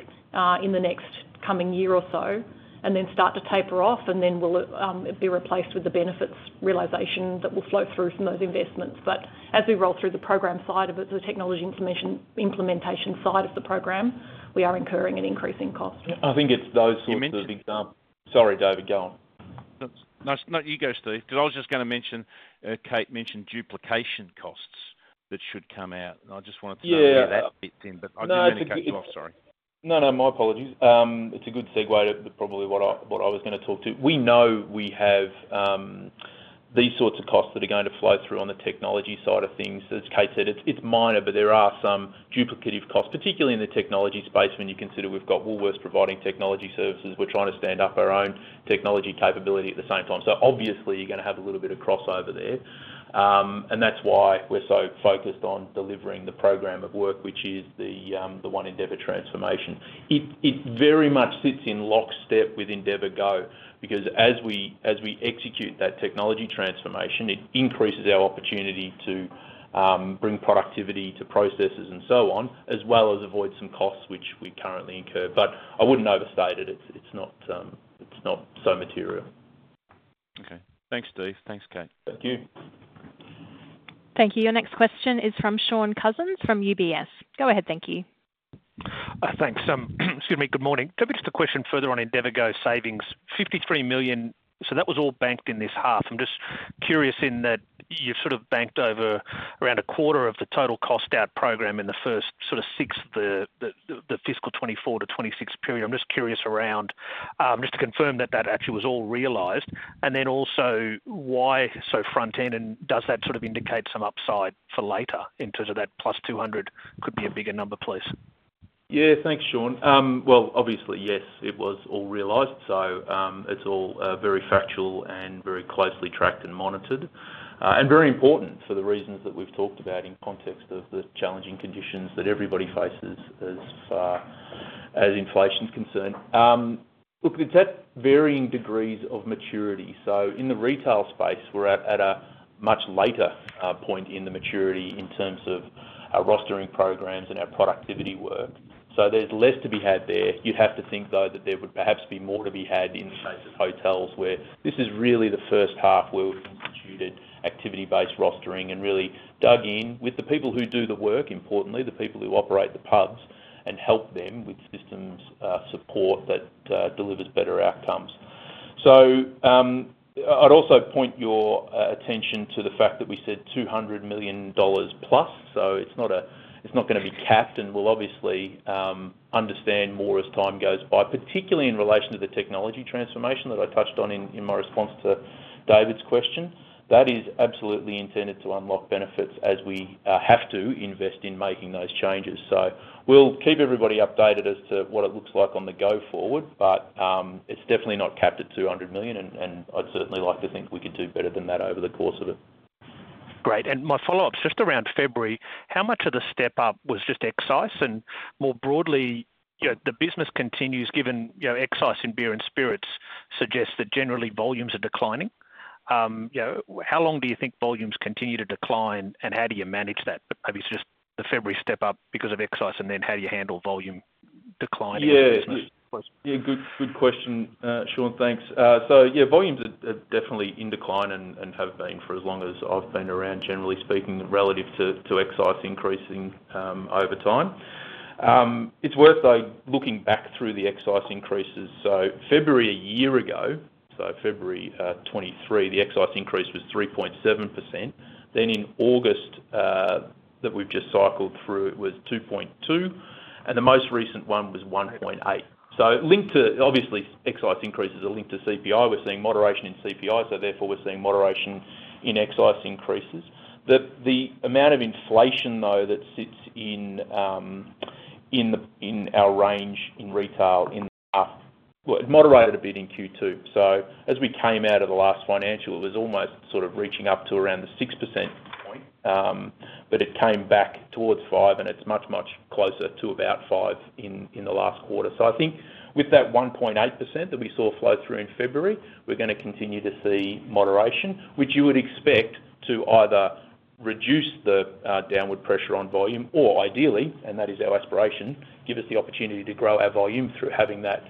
in the next coming year or so and then start to taper off. And then it'll be replaced with the benefits realization that will flow through from those investments. But as we roll through the program side of it, the technology implementation side of the program, we are incurring an increase in cost. I think it's those sorts of examples. You meant to. Sorry, David. Go on. No, you go, Steve. Because I was just going to mention Kate mentioned duplication costs that should come out. And I just wanted to know where that fits in. But I didn't mean to cut you off. Sorry. No, no. My apologies. It's a good segue to probably what I was going to talk to. We know we have these sorts of costs that are going to flow through on the technology side of things. As Kate said, it's minor, but there are some duplicative costs, particularly in the technology space when you consider we've got Woolworths providing technology services. We're trying to stand up our own technology capability at the same time. So obviously, you're going to have a little bit of crossover there. And that's why we're so focused on delivering the program of work, which is the One Endeavour transformation. It very much sits in lockstep with endeavourGO because as we execute that technology transformation, it increases our opportunity to bring productivity to processes and so on, as well as avoid some costs which we currently incur. But I wouldn't overstate it. It's not so material. Okay. Thanks, Steve. Thanks, Kate. Thank you. Thank you. Your next question is from Shaun Cousins from UBS. Go ahead. Thank you. Thanks. Excuse me. Good morning. It could be just a question further on endeavourGO savings. 53 million, so that was all banked in this half. I'm just curious in that you've sort of banked over around a quarter of the total cost out program in the first sort of sixth, the fiscal 2024-2026 period. I'm just curious around just to confirm that that actually was all realised. And then also, why so front-end? And does that sort of indicate some upside for later in terms of that +200 million could be a bigger number, please? Yeah. Thanks, Shaun. Well, obviously, yes, it was all realized. So it's all very factual and very closely tracked and monitored and very important for the reasons that we've talked about in context of the challenging conditions that everybody faces as far as inflation's concerned. Look, it's at varying degrees of maturity. So in the retail space, we're at a much later point in the maturity in terms of our rostering programs and our productivity work. So there's less to be had there. You'd have to think, though, that there would perhaps be more to be had in the case of hotels where this is really the first half where we've instituted activity-based rostering and really dug in with the people who do the work, importantly, the people who operate the pubs and help them with systems support that delivers better outcomes. I'd also point your attention to the fact that we said 200+ million dollars. It's not going to be capped and will obviously understand more as time goes by, particularly in relation to the technology transformation that I touched on in my response to David's question. That is absolutely intended to unlock benefits as we have to invest in making those changes. We'll keep everybody updated as to what it looks like on the go forward. It's definitely not capped at 200 million. I'd certainly like to think we could do better than that over the course of it. Great. And my follow-up, just around February, how much of the step-up was just excise? And more broadly, the business continues given excise in beer and spirits suggests that generally, volumes are declining. How long do you think volumes continue to decline, and how do you manage that? But maybe it's just the February step-up because of excise. And then how do you handle volume decline in your business? Yeah. Good question, Shaun. Thanks. So yeah, volumes are definitely in decline and have been for as long as I've been around, generally speaking, relative to excise increasing over time. It's worth, though, looking back through the excise increases. So February a year ago, so February 2023, the excise increase was 3.7%. Then in August that we've just cycled through, it was 2.2%. And the most recent one was 1.8%. So obviously, excise increases are linked to CPI. We're seeing moderation in CPI. So therefore, we're seeing moderation in excise increases. The amount of inflation, though, that sits in our range in retail in the half well, it moderated a bit in Q2. So as we came out of the last financial, it was almost sort of reaching up to around the 6% point. But it came back towards 5%. It's much, much closer to about 5% in the last quarter. I think with that 1.8% that we saw flow through in February, we're going to continue to see moderation, which you would expect to either reduce the downward pressure on volume or, ideally, and that is our aspiration, give us the opportunity to grow our volume through having that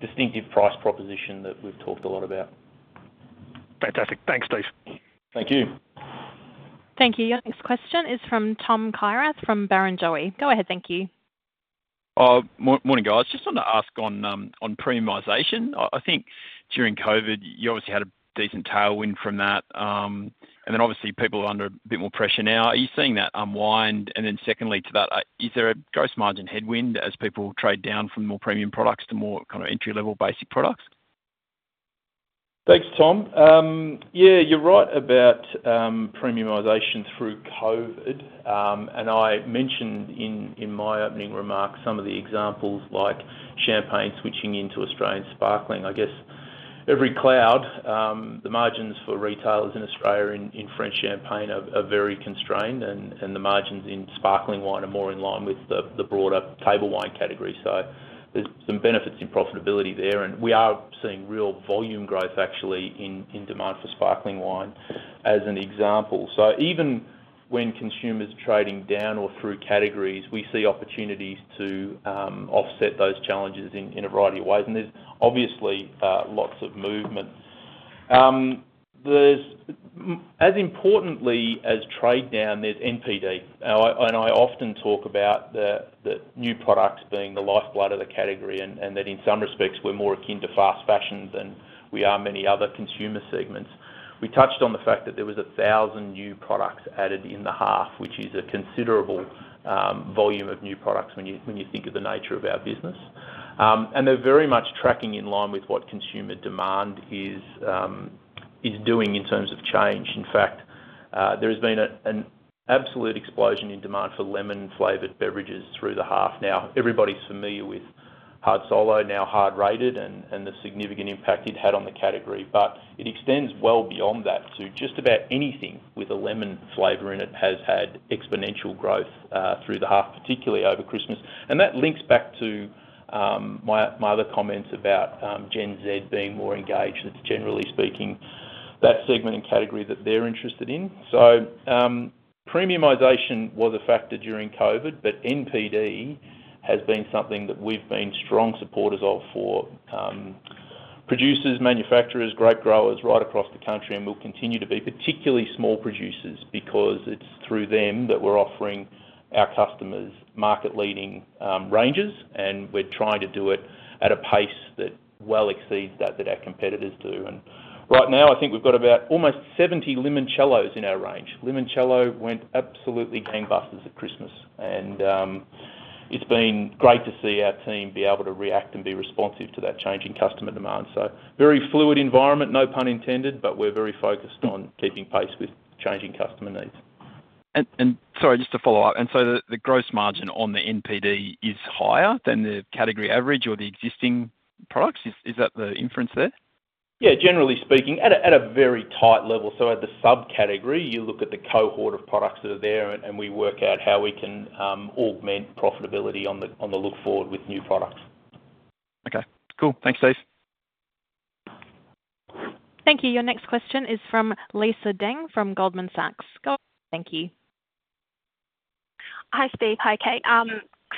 distinctive price proposition that we've talked a lot about. Fantastic. Thanks, Steve. Thank you. Thank you. Your next question is from Tom Kierath from Barrenjoey. Go ahead. Thank you. Morning, guys. Just wanted to ask on premiumization. I think during COVID, you obviously had a decent tailwind from that. And then obviously, people are under a bit more pressure now. Are you seeing that unwind? And then secondly to that, is there a gross margin headwind as people trade down from more premium products to more kind of entry-level basic products? Thanks, Tom. Yeah. You're right about premiumization through COVID. And I mentioned in my opening remarks some of the examples like champagne switching into Australian sparkling. I guess every cloud, the margins for retailers in Australia in French champagne are very constrained. And the margins in sparkling wine are more in line with the broader table wine category. So there's some benefits in profitability there. And we are seeing real volume growth, actually, in demand for sparkling wine as an example. So even when consumers are trading down or through categories, we see opportunities to offset those challenges in a variety of ways. And there's obviously lots of movement. As importantly as trade down, there's NPD. And I often talk about the new products being the lifeblood of the category and that in some respects, we're more akin to fast fashion than we are many other consumer segments. We touched on the fact that there was 1,000 new products added in the half, which is a considerable volume of new products when you think of the nature of our business. They're very much tracking in line with what consumer demand is doing in terms of change. In fact, there has been an absolute explosion in demand for lemon-flavored beverages through the half. Now, everybody's familiar with Hard Solo, now Hard Rated, and the significant impact it had on the category. It extends well beyond that. So just about anything with a lemon flavor in it has had exponential growth through the half, particularly over Christmas. That links back to my other comments about Gen Z being more engaged, that's generally speaking, that segment and category that they're interested in. Premiumization was a factor during COVID. But NPD has been something that we've been strong supporters of for producers, manufacturers, grape growers right across the country, and will continue to be, particularly small producers because it's through them that we're offering our customers market-leading ranges. And we're trying to do it at a pace that well exceeds that that our competitors do. And right now, I think we've got about almost 70 limoncellos in our range. Limoncello went absolutely gangbusters at Christmas. And it's been great to see our team be able to react and be responsive to that changing customer demand. So very fluid environment, no pun intended. But we're very focused on keeping pace with changing customer needs. Sorry, just to follow up. So the gross margin on the NPD is higher than the category average or the existing products? Is that the inference there? Yeah. Generally speaking, at a very tight level. So at the subcategory, you look at the cohort of products that are there. And we work out how we can augment profitability on the look forward with new products. Okay. Cool. Thanks, Steve. Thank you. Your next question is from Lisa Deng from Goldman Sachs. Go ahead. Thank you. Hi, Steve. Hi, Kate.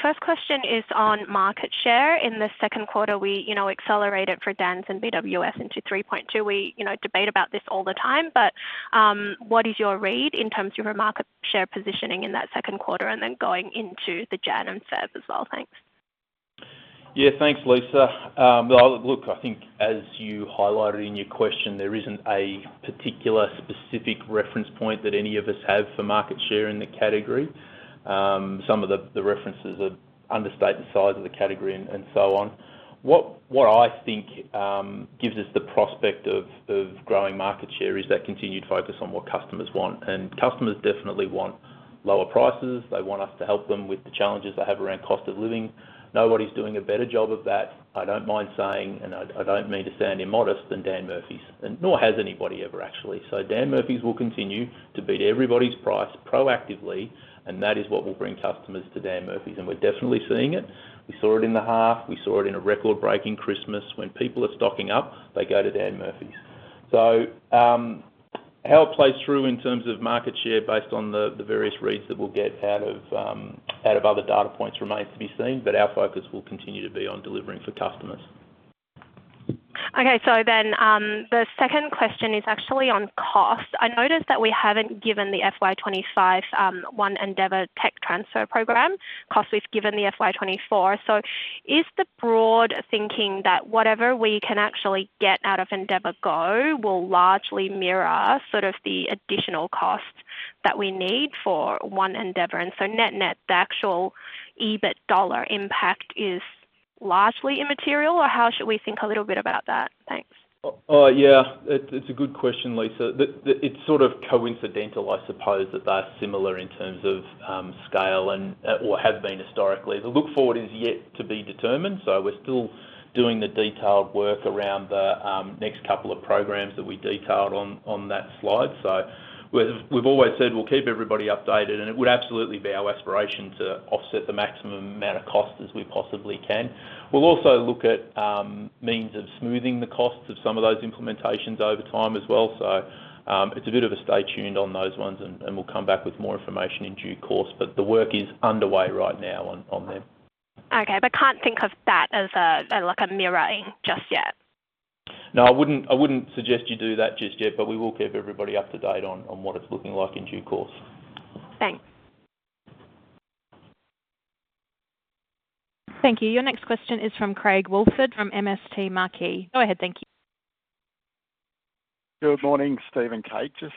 First question is on market share. In the second quarter, we accelerated for Dan's and BWS into 3.2%. We debate about this all the time. But what is your read in terms of your market share positioning in that second quarter and then going into the Jan and Feb as well? Thanks. Yeah. Thanks, Lisa. Look, I think as you highlighted in your question, there isn't a particular specific reference point that any of us have for market share in the category. Some of the references understate the size of the category and so on. What I think gives us the prospect of growing market share is that continued focus on what customers want. And customers definitely want lower prices. They want us to help them with the challenges they have around cost of living. Nobody's doing a better job of that, I don't mind saying. And I don't mean to sound immodest than Dan Murphy's, nor has anybody ever, actually. So Dan Murphy's will continue to beat everybody's price proactively. And that is what will bring customers to Dan Murphy's. And we're definitely seeing it. We saw it in the half. We saw it in a record-breaking Christmas. When people are stocking up, they go to Dan Murphy's. So how it plays through in terms of market share based on the various reads that we'll get out of other data points remains to be seen. But our focus will continue to be on delivering for customers. Okay. So then the second question is actually on cost. I noticed that we haven't given the FY2025 One Endeavour tech transfor program cost. We've given the FY2024. So is the broad thinking that whatever we can actually get out of endeavourGO will largely mirror sort of the additional costs that we need for One Endeavour? And so net-net, the actual EBIT dollar impact is largely immaterial. Or how should we think a little bit about that? Thanks. Yeah. It's a good question, Lisa. It's sort of coincidental, I suppose, that they're similar in terms of scale or have been historically. The look forward is yet to be determined. So we're still doing the detailed work around the next couple of programs that we detailed on that slide. So we've always said we'll keep everybody updated. And it would absolutely be our aspiration to offset the maximum amount of cost as we possibly can. We'll also look at means of smoothing the costs of some of those implementations over time as well. So it's a bit of a stay tuned on those ones. And we'll come back with more information in due course. But the work is underway right now on them. Okay. But can't think of that as a mirroring just yet? No. I wouldn't suggest you do that just yet. But we will keep everybody up to date on what it's looking like in due course. Thanks. Thank you. Your next question is from Craig Woolford from MST Marquee. Go ahead. Thank you. Good morning, Steve and Kate. Just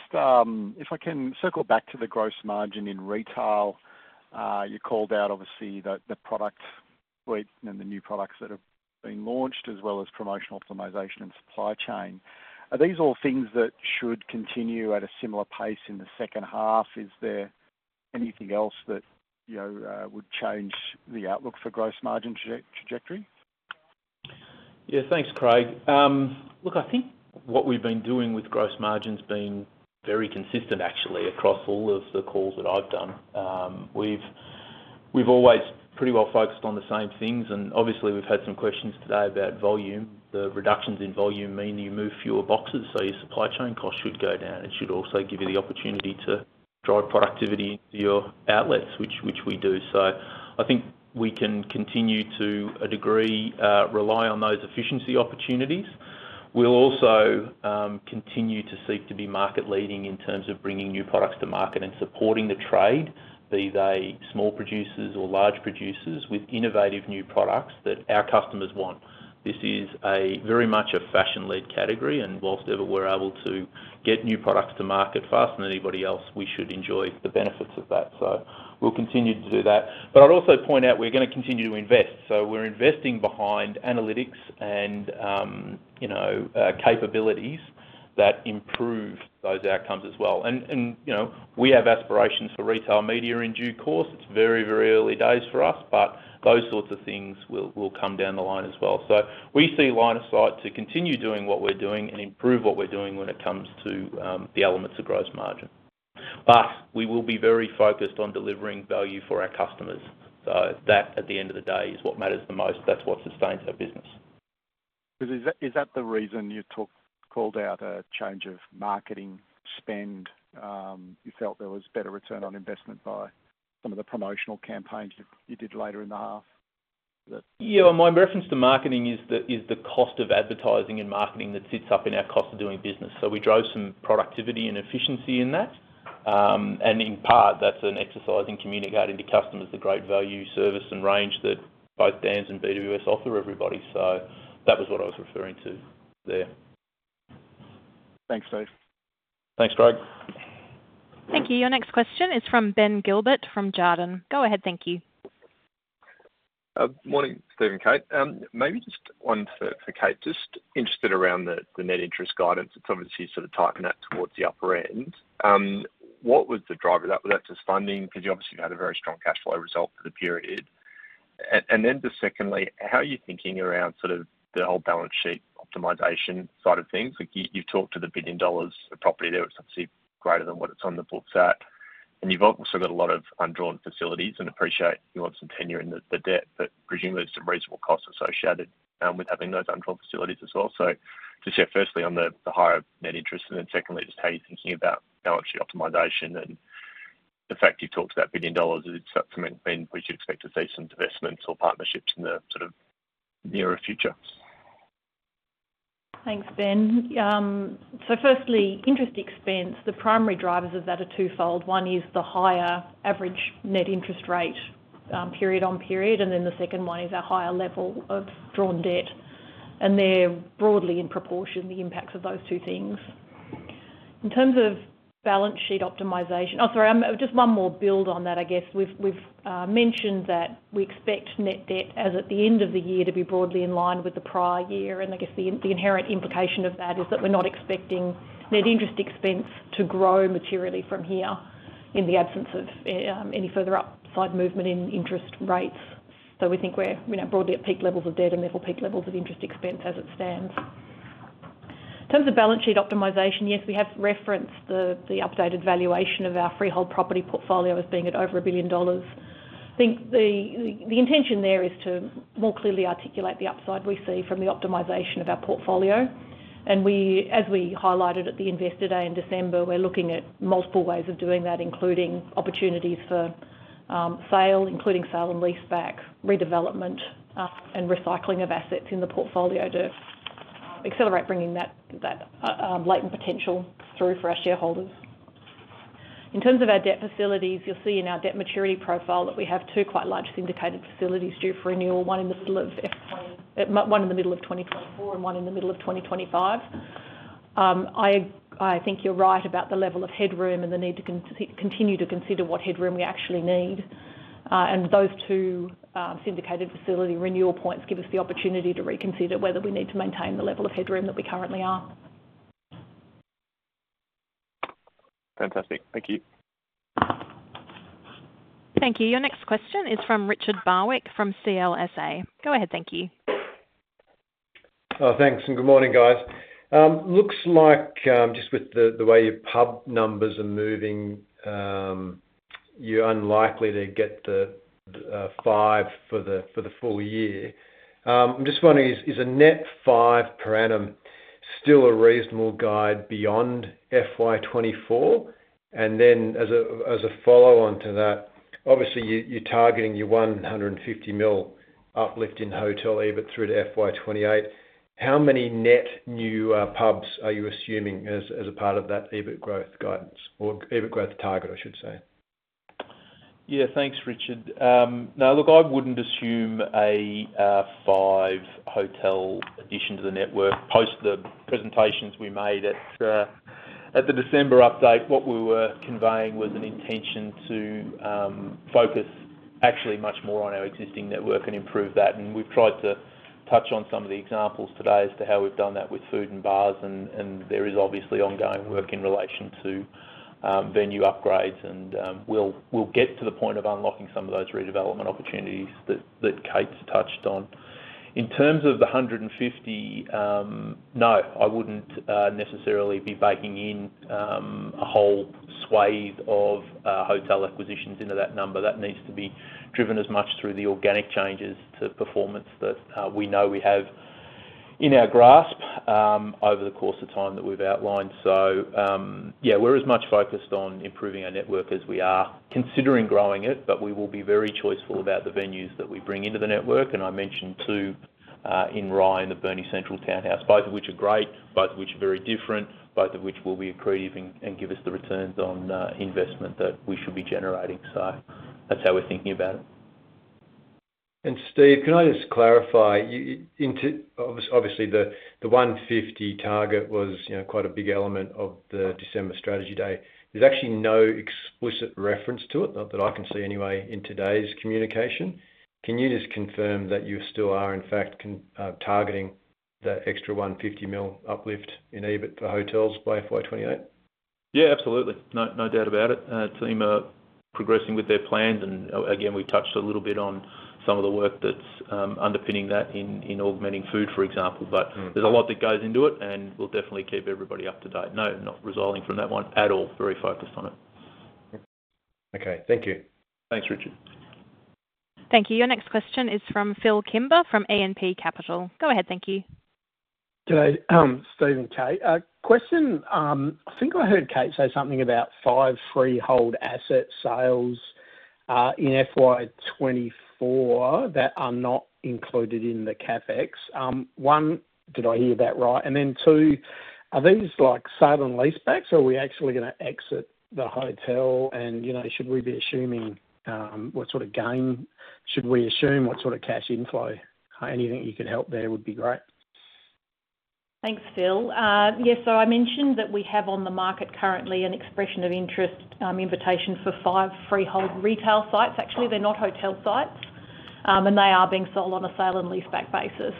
if I can circle back to the gross margin in retail, you called out, obviously, the product suite and the new products that have been launched as well as promotional optimization and supply chain. Are these all things that should continue at a similar pace in the second half? Is there anything else that would change the outlook for gross margin trajectory? Yeah. Thanks, Craig. Look, I think what we've been doing with gross margin's been very consistent, actually, across all of the calls that I've done. We've always pretty well focused on the same things. Obviously, we've had some questions today about volume. The reductions in volume mean that you move fewer boxes. So your supply chain cost should go down. It should also give you the opportunity to drive productivity into your outlets, which we do. So I think we can continue to, a degree, rely on those efficiency opportunities. We'll also continue to seek to be market-leading in terms of bringing new products to market and supporting the trade, be they small producers or large producers, with innovative new products that our customers want. This is very much a fashion-led category. And while ever we're able to get new products to market faster than anybody else, we should enjoy the benefits of that. So we'll continue to do that. But I'd also point out we're going to continue to invest. So we're investing behind analytics and capabilities that improve those outcomes as well. And we have aspirations for retail media in due course. It's very, very early days for us. But those sorts of things will come down the line as well. So we see line of sight to continue doing what we're doing and improve what we're doing when it comes to the elements of gross margin. But we will be very focused on delivering value for our customers. So that, at the end of the day, is what matters the most. That's what sustains our business. Is that the reason you called out a change of marketing spend? You felt there was better return on investment by some of the promotional campaigns you did later in the half? Yeah. My reference to marketing is the cost of advertising and marketing that sits up in our cost of doing business. So we drove some productivity and efficiency in that. And in part, that's an exercise in communicating to customers the great value, service, and range that both Dan's and BWS offer everybody. So that was what I was referring to there. Thanks, Steve. Thanks, Craig. Thank you. Your next question is from Ben Gilbert from Jarden. Go ahead. Thank you. Morning, Steve and Kate. Maybe just one for Kate. Just interested around the net interest guidance. It's obvious you sort of tightened that towards the upper end. What was the driver of that? Was that just funding? Because you obviously had a very strong cash flow result for the period. And then just secondly, how are you thinking around sort of the whole balance sheet optimization side of things? You've talked to the 1 billion dollars of property there. It's obviously greater than what it's on the books at. And you've also got a lot of undrawn facilities. And appreciate you want some tenure in the debt. But presumably, there's some reasonable costs associated with having those undrawn facilities as well. So just yeah, firstly, on the higher net interest. And then secondly, just how are you thinking about balance sheet optimization and the fact you've talked to that 1 billion dollars? Is it something where you'd expect to see some investments or partnerships in the sort of nearer future? Thanks, Ben. So firstly, interest expense. The primary drivers of that are twofold. One is the higher average net interest rate period-on-period. And then the second one is our higher level of drawn debt. And they're broadly in proportion, the impacts of those two things. In terms of balance sheet optimization, oh, sorry. Just one more build on that, I guess. We've mentioned that we expect net debt as at the end of the year to be broadly in line with the prior year. And I guess the inherent implication of that is that we're not expecting net interest expense to grow materially from here in the absence of any further upside movement in interest rates. So we think we're broadly at peak levels of debt and therefore peak levels of interest expense as it stands. In terms of balance sheet optimization, yes, we have referenced the updated valuation of our freehold property portfolio as being at over 1 billion dollars. I think the intention there is to more clearly articulate the upside we see from the optimization of our portfolio. As we highlighted at the Investor Day in December, we're looking at multiple ways of doing that, including opportunities for sale, including sale and leaseback, redevelopment, and recycling of assets in the portfolio to accelerate bringing that latent potential through for our shareholders. In terms of our debt facilities, you'll see in our debt maturity profile that we have two quite large syndicated facilities due for renewal, one in the middle of 2024 and one in the middle of 2025. I think you're right about the level of headroom and the need to continue to consider what headroom we actually need. Those two syndicated facility renewal points give us the opportunity to reconsider whether we need to maintain the level of headroom that we currently are. Fantastic. Thank you. Thank you. Your next question is from Richard Barwick from CLSA. Go ahead. Thank you. Thanks. And good morning, guys. Looks like just with the way your pub numbers are moving, you're unlikely to get the 5% for the full year. I'm just wondering, is a net 5% per annum still a reasonable guide beyond FY2024? And then as a follow-on to that, obviously, you're targeting your 150 million uplift in hotel EBIT through to FY2028. How many net new pubs are you assuming as a part of that EBIT growth guidance or EBIT growth target, I should say? Yeah. Thanks, Richard. No, look, I wouldn't assume a 5% hotel addition to the network. Post the presentations we made at the December update, what we were conveying was an intention to focus actually much more on our existing network and improve that. And we've tried to touch on some of the examples today as to how we've done that with food and bars. And there is obviously ongoing work in relation to venue upgrades. And we'll get to the point of unlocking some of those redevelopment opportunities that Kate's touched on. In terms of the 150, no, I wouldn't necessarily be baking in a whole swathe of hotel acquisitions into that number. That needs to be driven as much through the organic changes to performance that we know we have in our grasp over the course of time that we've outlined. So yeah, we're as much focused on improving our network as we are considering growing it. But we will be very choiceful about the venues that we bring into the network. And I mentioned two in Rye and the Burnie Central Townhouse, both of which are great, both of which are very different, both of which will be accretive and give us the returns on investment that we should be generating. So that's how we're thinking about it. Steve, can I just clarify? Obviously, the 150 target was quite a big element of the December Strategy Day. There's actually no explicit reference to it, not that I can see anyway, in today's communication. Can you just confirm that you still are, in fact, targeting that extra 150 million uplift in EBIT for hotels by FY2028? Yeah. Absolutely. No doubt about it. Team are progressing with their plans. And again, we touched a little bit on some of the work that's underpinning that in augmenting food, for example. But there's a lot that goes into it. And we'll definitely keep everybody up to date. No, not resiling from that one at all. Very focused on it. Okay. Thank you. Thanks, Richard. Thank you. Your next question is from Phil Kimber from E&P Capital. Go ahead. Thank you. Good day. Steve, Kate. Question. I think I heard Kate say something about five freehold asset sales in FY2024 that are not included in the CapEx. One, did I hear that right? And then two, are these sale and leasebacks? Are we actually going to exit the hotel? And should we be assuming what sort of gain should we assume? What sort of cash inflow? Anything you could help there would be great. Thanks, Phil. Yeah. So I mentioned that we have on the market currently an expression of interest invitation for five freehold retail sites. Actually, they're not hotel sites. They are being sold on a sale and leaseback basis.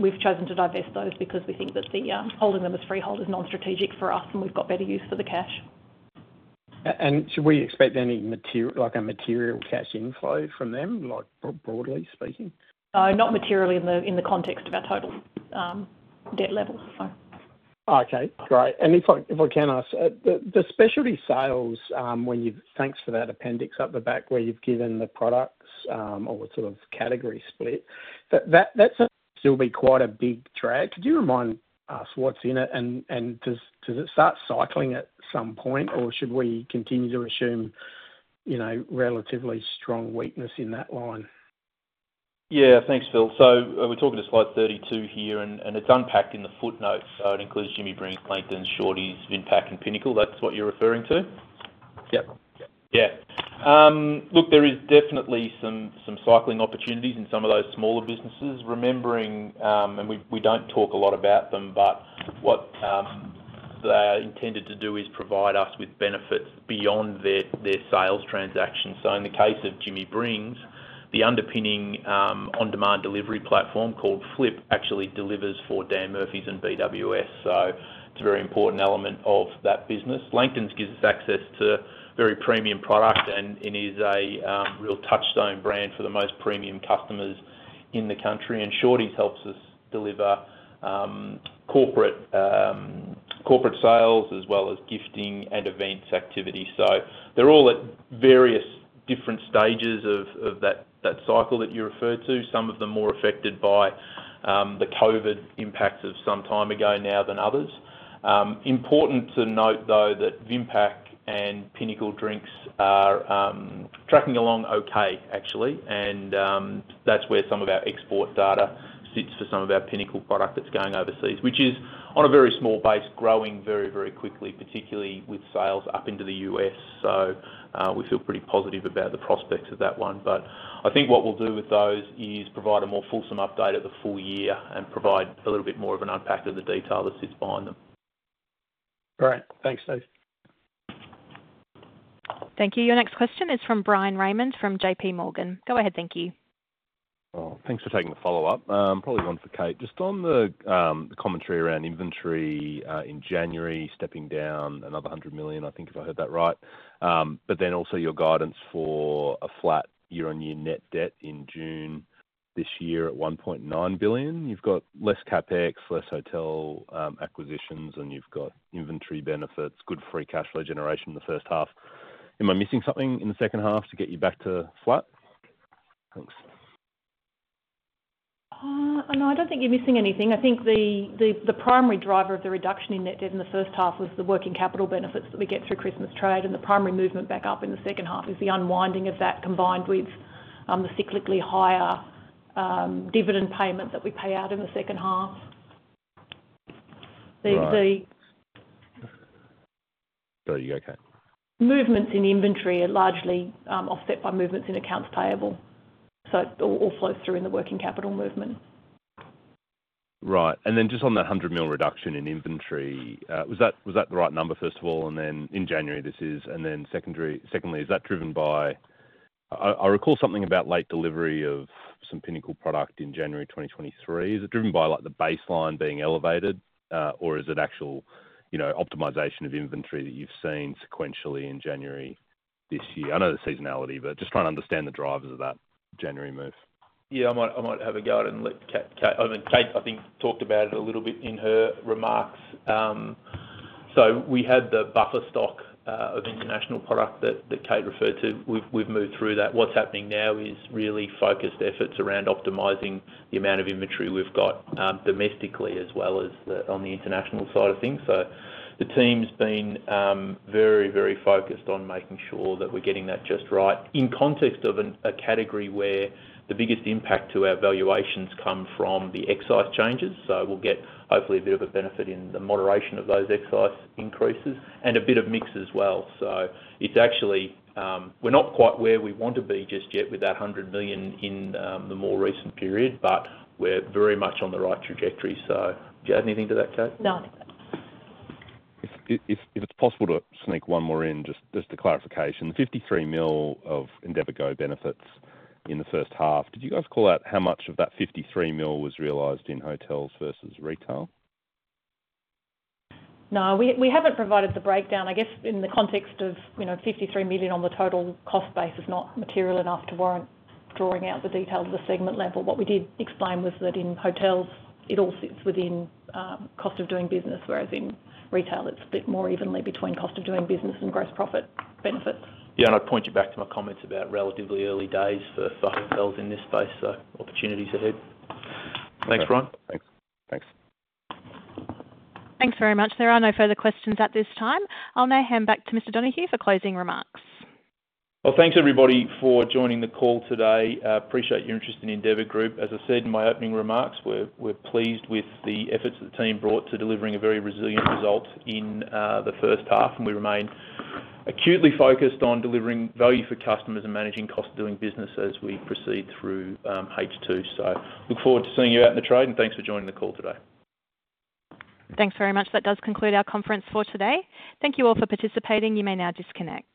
We've chosen to divest those because we think that holding them as freehold is non-strategic for us. We've got better use for the cash. Should we expect any material cash inflow from them, broadly speaking? No. Not materially in the context of our total debt level, so. Okay. Great. If I can ask, the specialty sales, thanks for that appendix up the back where you've given the products or the sort of category split, that's still be quite a big drag. Could you remind us what's in it? And does it start cycling at some point? Or should we continue to assume relatively strong weakness in that line? Yeah. Thanks, Phil. So we're talking to slide 32 here. And it's unpacked in the footnotes. So it includes Jimmy Brings, LANGTONS, Shorty's, Vinpac, and Pinnacle. That's what you're referring to? Yep. Yeah. Look, there is definitely some synergy opportunities in some of those smaller businesses. And we don't talk a lot about them. But what they are intended to do is provide us with benefits beyond their sales transactions. So in the case of Jimmy Brings, the underpinning on-demand delivery platform called FLIP actually delivers for Dan Murphy's and BWS. So it's a very important element of that business. Langton's gives us access to very premium product. And it is a real touchstone brand for the most premium customers in the country. And Shorty's helps us deliver corporate sales as well as gifting and events activity. So they're all at various different stages of that cycle that you referred to, some of them more affected by the COVID impacts of some time ago now than others. Important to note, though, that Vinpac and Pinnacle Drinks are tracking along okay, actually. That's where some of our export data sits for some of our Pinnacle product that's going overseas, which is on a very small base, growing very, very quickly, particularly with sales up into the U.S. We feel pretty positive about the prospects of that one. I think what we'll do with those is provide a more fulsome update at the full year and provide a little bit more of an unpack of the detail that sits behind them. Great. Thanks, Steve. Thank you. Your next question is from Bryan Raymond from J.P. Morgan. Go ahead. Thank you. Thanks for taking the follow-up. Probably one for Kate. Just on the commentary around inventory in January stepping down another 100 million, I think, if I heard that right. But then also your guidance for a flat year-on-year net debt in June this year at 1.9 billion. You've got less CapEx, less hotel acquisitions. And you've got inventory benefits, good free cash flow generation in the first half. Am I missing something in the second half to get you back to flat? Thanks. No, I don't think you're missing anything. I think the primary driver of the reduction in net debt in the first half was the working capital benefits that we get through Christmas trade. The primary movement back up in the second half is the unwinding of that combined with the cyclically higher dividend payment that we pay out in the second half. Sorry. You okay? Movements in inventory are largely offset by movements in accounts payable. So it all flows through in the working capital movement. Right. And then just on that 100 million reduction in inventory, was that the right number, first of all? And then in January, this is. And then secondly, is that driven by I recall something about late delivery of some Pinnacle product in January 2023? Is it driven by the baseline being elevated? Or is it actual optimization of inventory that you've seen sequentially in January this year? I know the seasonality. But just trying to understand the drivers of that January move. Yeah. I might have a go at it and, I mean, Kate, I think talked about it a little bit in her remarks. So we had the buffer stock of international product that Kate referred to. We've moved through that. What's happening now is really focused efforts around optimizing the amount of inventory we've got domestically as well as on the international side of things. So the team's been very, very focused on making sure that we're getting that just right in context of a category where the biggest impact to our valuations come from the excise changes. So we'll get, hopefully, a bit of a benefit in the moderation of those excise increases and a bit of mix as well. So we're not quite where we want to be just yet with that 100 million in the more recent period. But we're very much on the right trajectory. Do you add anything to that, Kate? No. If it's possible to sneak one more in, just a clarification. The 53 million of endeavourGO benefits in the first half, did you guys call out how much of that 53 million was realized in hotels versus retail? No. We haven't provided the breakdown. I guess in the context of 53 million on the total cost base, it's not material enough to warrant drawing out the details of the segment level. What we did explain was that in hotels, it all sits within cost of doing business. Whereas in retail, it's split more evenly between cost of doing business and gross profit benefits. Yeah. I'd point you back to my comments about relatively early days for hotels in this space. So opportunities ahead. Thanks, Bryan. Thanks. Thanks. Thanks very much. There are no further questions at this time. I'll now hand back to Mr. Donohue for closing remarks. Well, thanks, everybody, for joining the call today. Appreciate your interest in Endeavour Group. As I said in my opening remarks, we're pleased with the efforts that the team brought to delivering a very resilient result in the first half. We remain acutely focused on delivering value for customers and managing cost of doing business as we proceed through H2. Look forward to seeing you out in the trade. Thanks for joining the call today. Thanks very much. That does conclude our conference for today. Thank you all for participating. You may now disconnect.